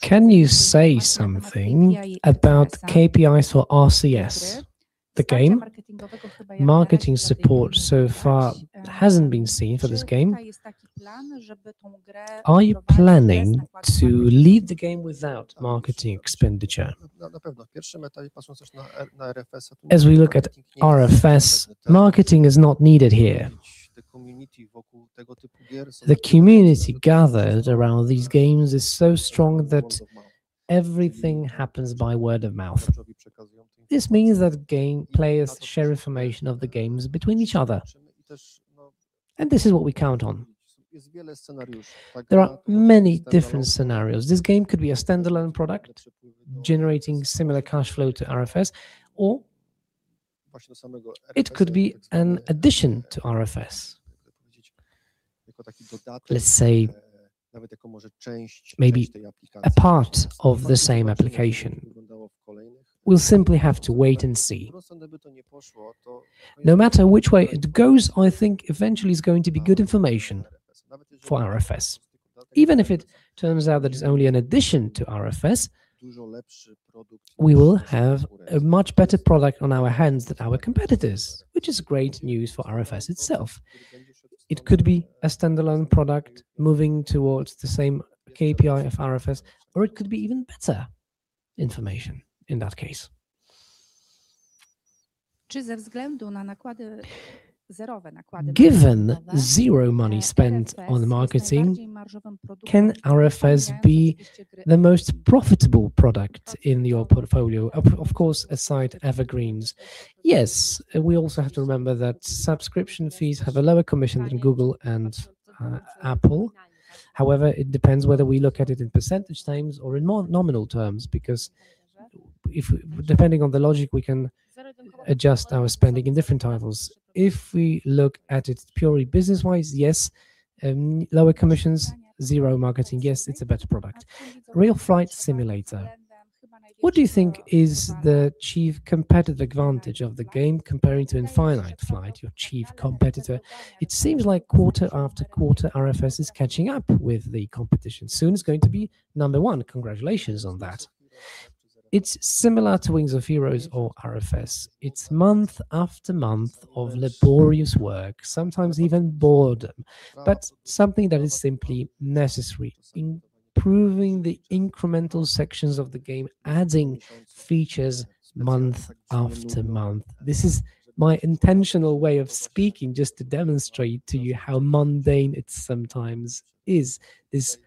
Can you say something about KPIs for RCS, the game? Marketing support so far hasn't been seen for this game. Are you planning to launch the game without marketing expenditure? As we look at RFS, marketing is not needed here. The community gathered around these games is so strong that everything happens by word of mouth. This means that game players share information of the games between each other, and this is what we count on. There are many different scenarios. This game could be a standalone product generating similar cash flow to RFS, or it could be an addition to RFS. Let's say, maybe a part of the same application. We'll simply have to wait and see. No matter which way it goes, I think eventually it's going to be good information for RFS. Even if it turns out that it's only an addition to RFS, we will have a much better product on our hands than our competitors, which is great news for RFS itself. It could be a standalone product moving towards the same KPI of RFS, or it could be even better information in that case. Given zero money spent on marketing, can RFS be the most profitable product in your portfolio? Of course, aside Evergreens. Yes. We also have to remember that subscription fees have a lower commission than Google and Apple. However, it depends whether we look at it in percentage terms or in nominal terms, because if depending on the logic, we can adjust our spending in different titles. If we look at it purely business-wise, yes, lower commissions, zero marketing, yes, it's a better product. Real Flight Simulator, what do you think is the chief competitive advantage of the game comparing to Infinite Flight, your chief competitor? It seems like quarter after quarter, RFS is catching up with the competition. Soon it's going to be number one. Congratulations on that. It's similar to Wings of Heroes or RFS. It's month after month of laborious work, sometimes even boredom, but something that is simply necessary. Improving the incremental sections of the game, adding features month after month. This is my intentional way of speaking, just to demonstrate to you how mundane it sometimes is. This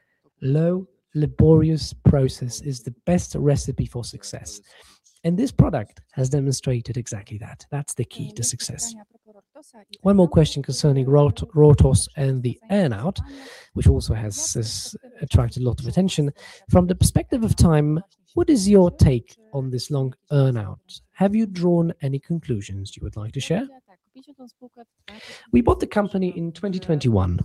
low, laborious process is the best recipe for success, and this product has demonstrated exactly that. That's the key to success. One more question concerning Rortos and the earn-out, which also has attracted a lot of attention. From the perspective of time, what is your take on this long earn-out? Have you drawn any conclusions you would like to share? We bought the company in 2021.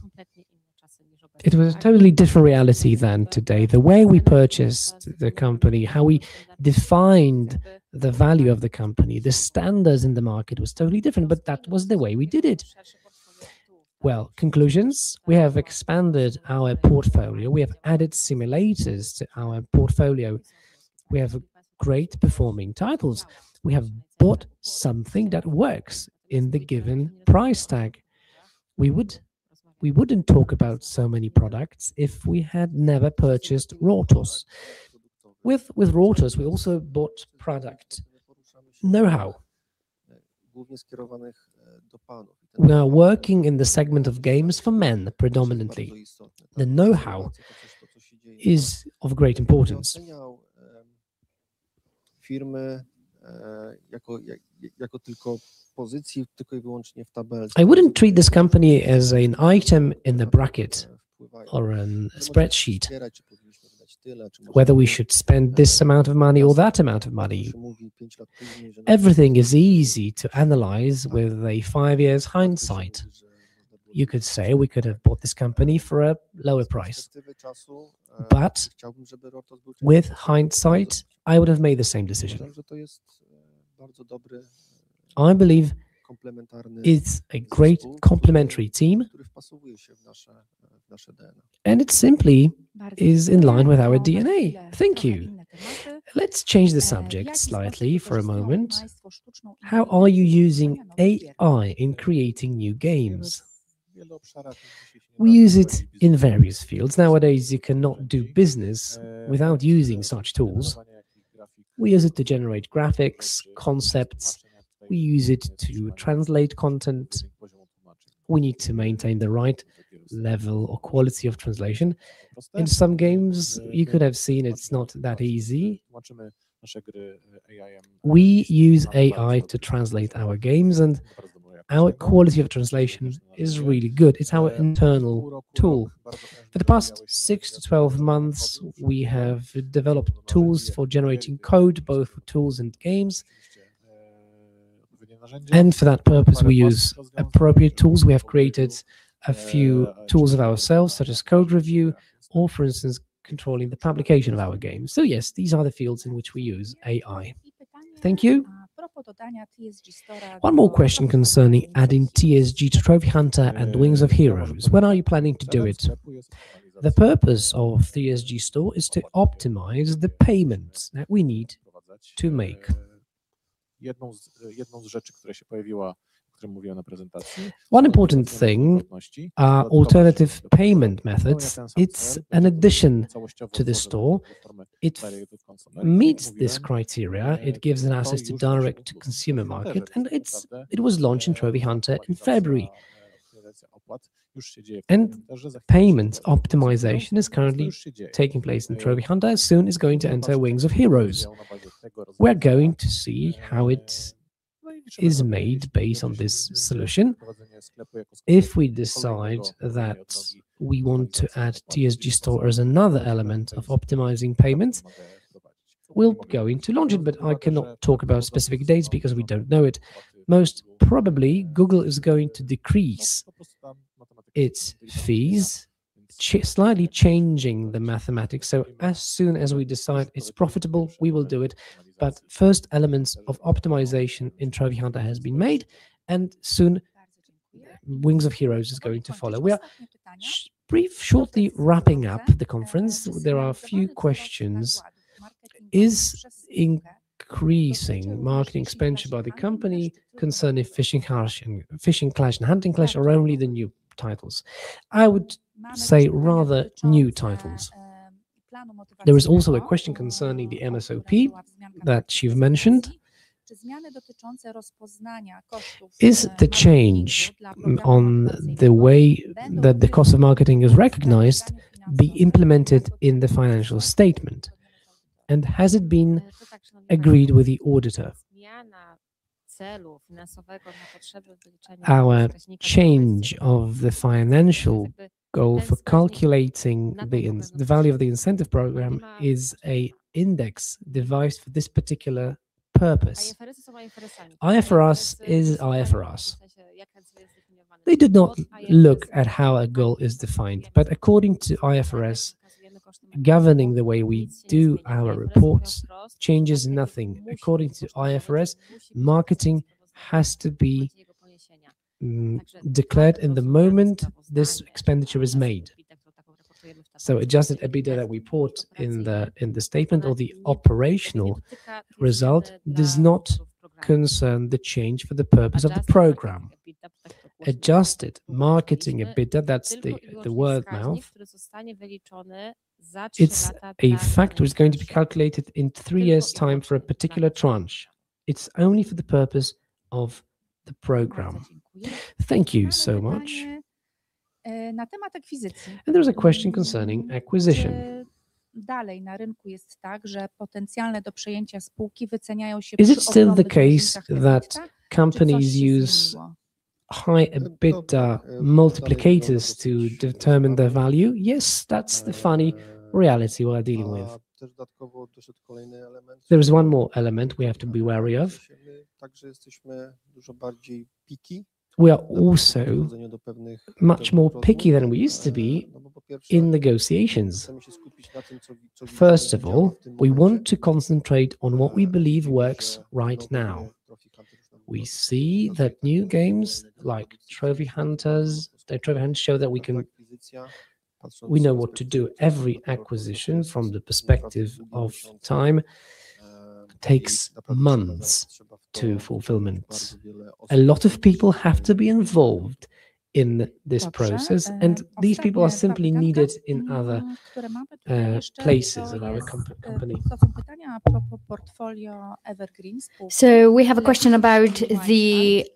It was a totally different reality than today. The way we purchased the company, how we defined the value of the company, the standards in the market was totally different, but that was the way we did it. Well, conclusions, we have expanded our portfolio. We have added simulators to our portfolio. We have great performing titles. We have bought something that works in the given price tag. We wouldn't talk about so many products if we had never purchased Rortos. With Rortos, we also bought product know-how. We are working in the segment of games for men, predominantly. The know-how is of great importance. I wouldn't treat this company as an item in the bracket or a spreadsheet, whether we should spend this amount of money or that amount of money. Everything is easy to analyze with a five years hindsight. You could say we could have bought this company for a lower price, but with hindsight, I would have made the same decision. I believe it's a great complementary team, and it simply is in line with our DNA. Thank you. Let's change the subject slightly for a moment. How are you using AI in creating new games? We use it in various fields. Nowadays, you cannot do business without using such tools. We use it to generate graphics, concepts. We use it to translate content. We need to maintain the right level or quality of translation. In some games, you could have seen it's not that easy. We use AI to translate our games, and our quality of translation is really good. It's our internal tool. For the past 6-12 months, we have developed tools for generating code, both for tools and games. For that purpose, we use appropriate tools. We have created a few tools of our own, such as code review, or for instance, controlling the publication of our games. Yes, these are the fields in which we use AI. Thank you. One more question concerning adding TSG Store to Trophy Hunter and Wings of Heroes. When are you planning to do it? The purpose of TSG Store is to optimize the payments that we need to make. One important thing are alternative payment methods. It's an addition to the store. It meets this criteria. It gives an access to direct-to-consumer market, and it was launched in Trophy Hunter in February. Payment optimization is currently taking place in Trophy Hunter. Soon it's going to enter Wings of Heroes. We're going to see how it is made based on this solution. If we decide that we want to add TSG Store as another element of optimizing payments, we're going to launch it, but I cannot talk about specific dates because we don't know it. Most probably, Google is going to decrease its fees, slightly changing the mathematics. As soon as we decide it's profitable, we will do it. First elements of optimization in Trophy Hunter has been made, and soon Wings of Heroes is going to follow. We are shortly wrapping up the conference. There are a few questions. Is increasing marketing expenditure by the company concerning Fishing Clash and, Fishing Clash and Hunting Clash are only the new titles? I would say rather new titles. There are also a question concerning the MSOP that you've mentioned. Is the change in the way that the cost of marketing is recognized be implemented in the financial statement, and has it been agreed with the auditor? Our change of the financial goal for calculating the value of the incentive program is an index devised for this particular purpose. IFRS is IFRS. They did not look at how a goal is defined, but according to IFRS governing the way we do our reports changes nothing. According to IFRS, marketing has to be declared in the moment this expenditure is made. Adjusted EBITDA reported in the statement or the operational result does not concern the change for the purpose of the program. Adjusted marketing EBITDA, that's the word now. It's a factor is going to be calculated in three years' time for a particular tranche. It's only for the purpose of the program. Thank you so much. There's a question concerning acquisition. Is it still the case that companies use high EBITDA multiples to determine their value? Yes, that's the funny reality we're dealing with. There is one more element we have to be wary of. We are also much more picky than we used to be in negotiations. First of all, we want to concentrate on what we believe works right now. We see that new games like Trophy Hunter show that we know what to do. Every acquisition from the perspective of time takes months to fulfillment. A lot of people have to be involved in this process, and these people are simply needed in other places of our company. We have a question about the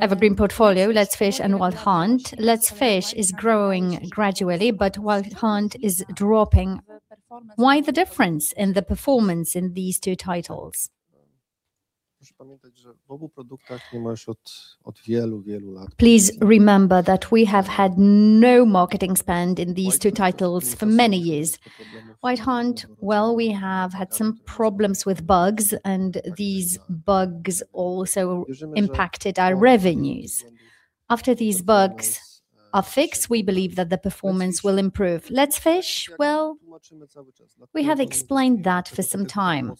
Evergreen portfolio, Let's Fish and Wild Hunt. Let's Fish is growing gradually, but Wild Hunt is dropping. Why the difference in the performance in these two titles? Please remember that we have had no marketing spend in these two titles for many years. Wild Hunt, well, we have had some problems with bugs, and these bugs also impacted our revenues. After these bugs are fixed, we believe that the performance will improve. Let's Fish, well, we have explained that for some time.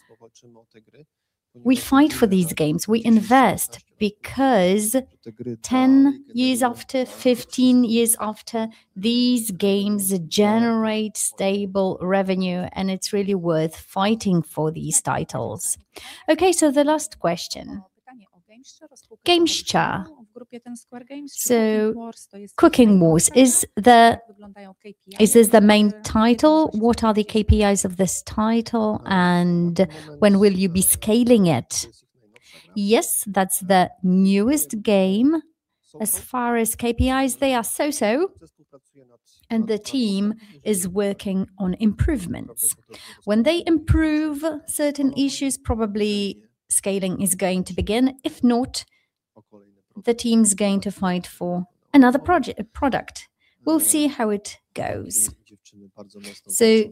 We fight for these games. We invest because 10 years after, 15 years after, these games generate stable revenue, and it's really worth fighting for these titles. Okay, the last question. Gacha. Cooking Wars, is this the main title? What are the KPIs of this title, and when will you be scaling it? Yes, that's the newest game. As far as KPIs, they are so-so, and the team is working on improvements. When they improve certain issues, probably scaling is going to begin. If not, the team's going to fight for another product. We'll see how it goes.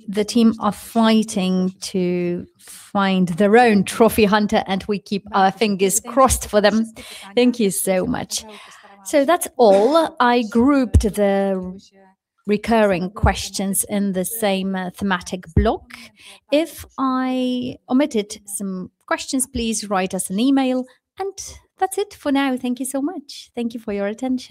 The team are fighting to find their own Trophy Hunter, and we keep our fingers crossed for them. Thank you so much. That's all. I grouped the recurring questions in the same thematic block. If I omitted some questions, please write us an email, and that's it for now. Thank you so much. Thank you for your attention.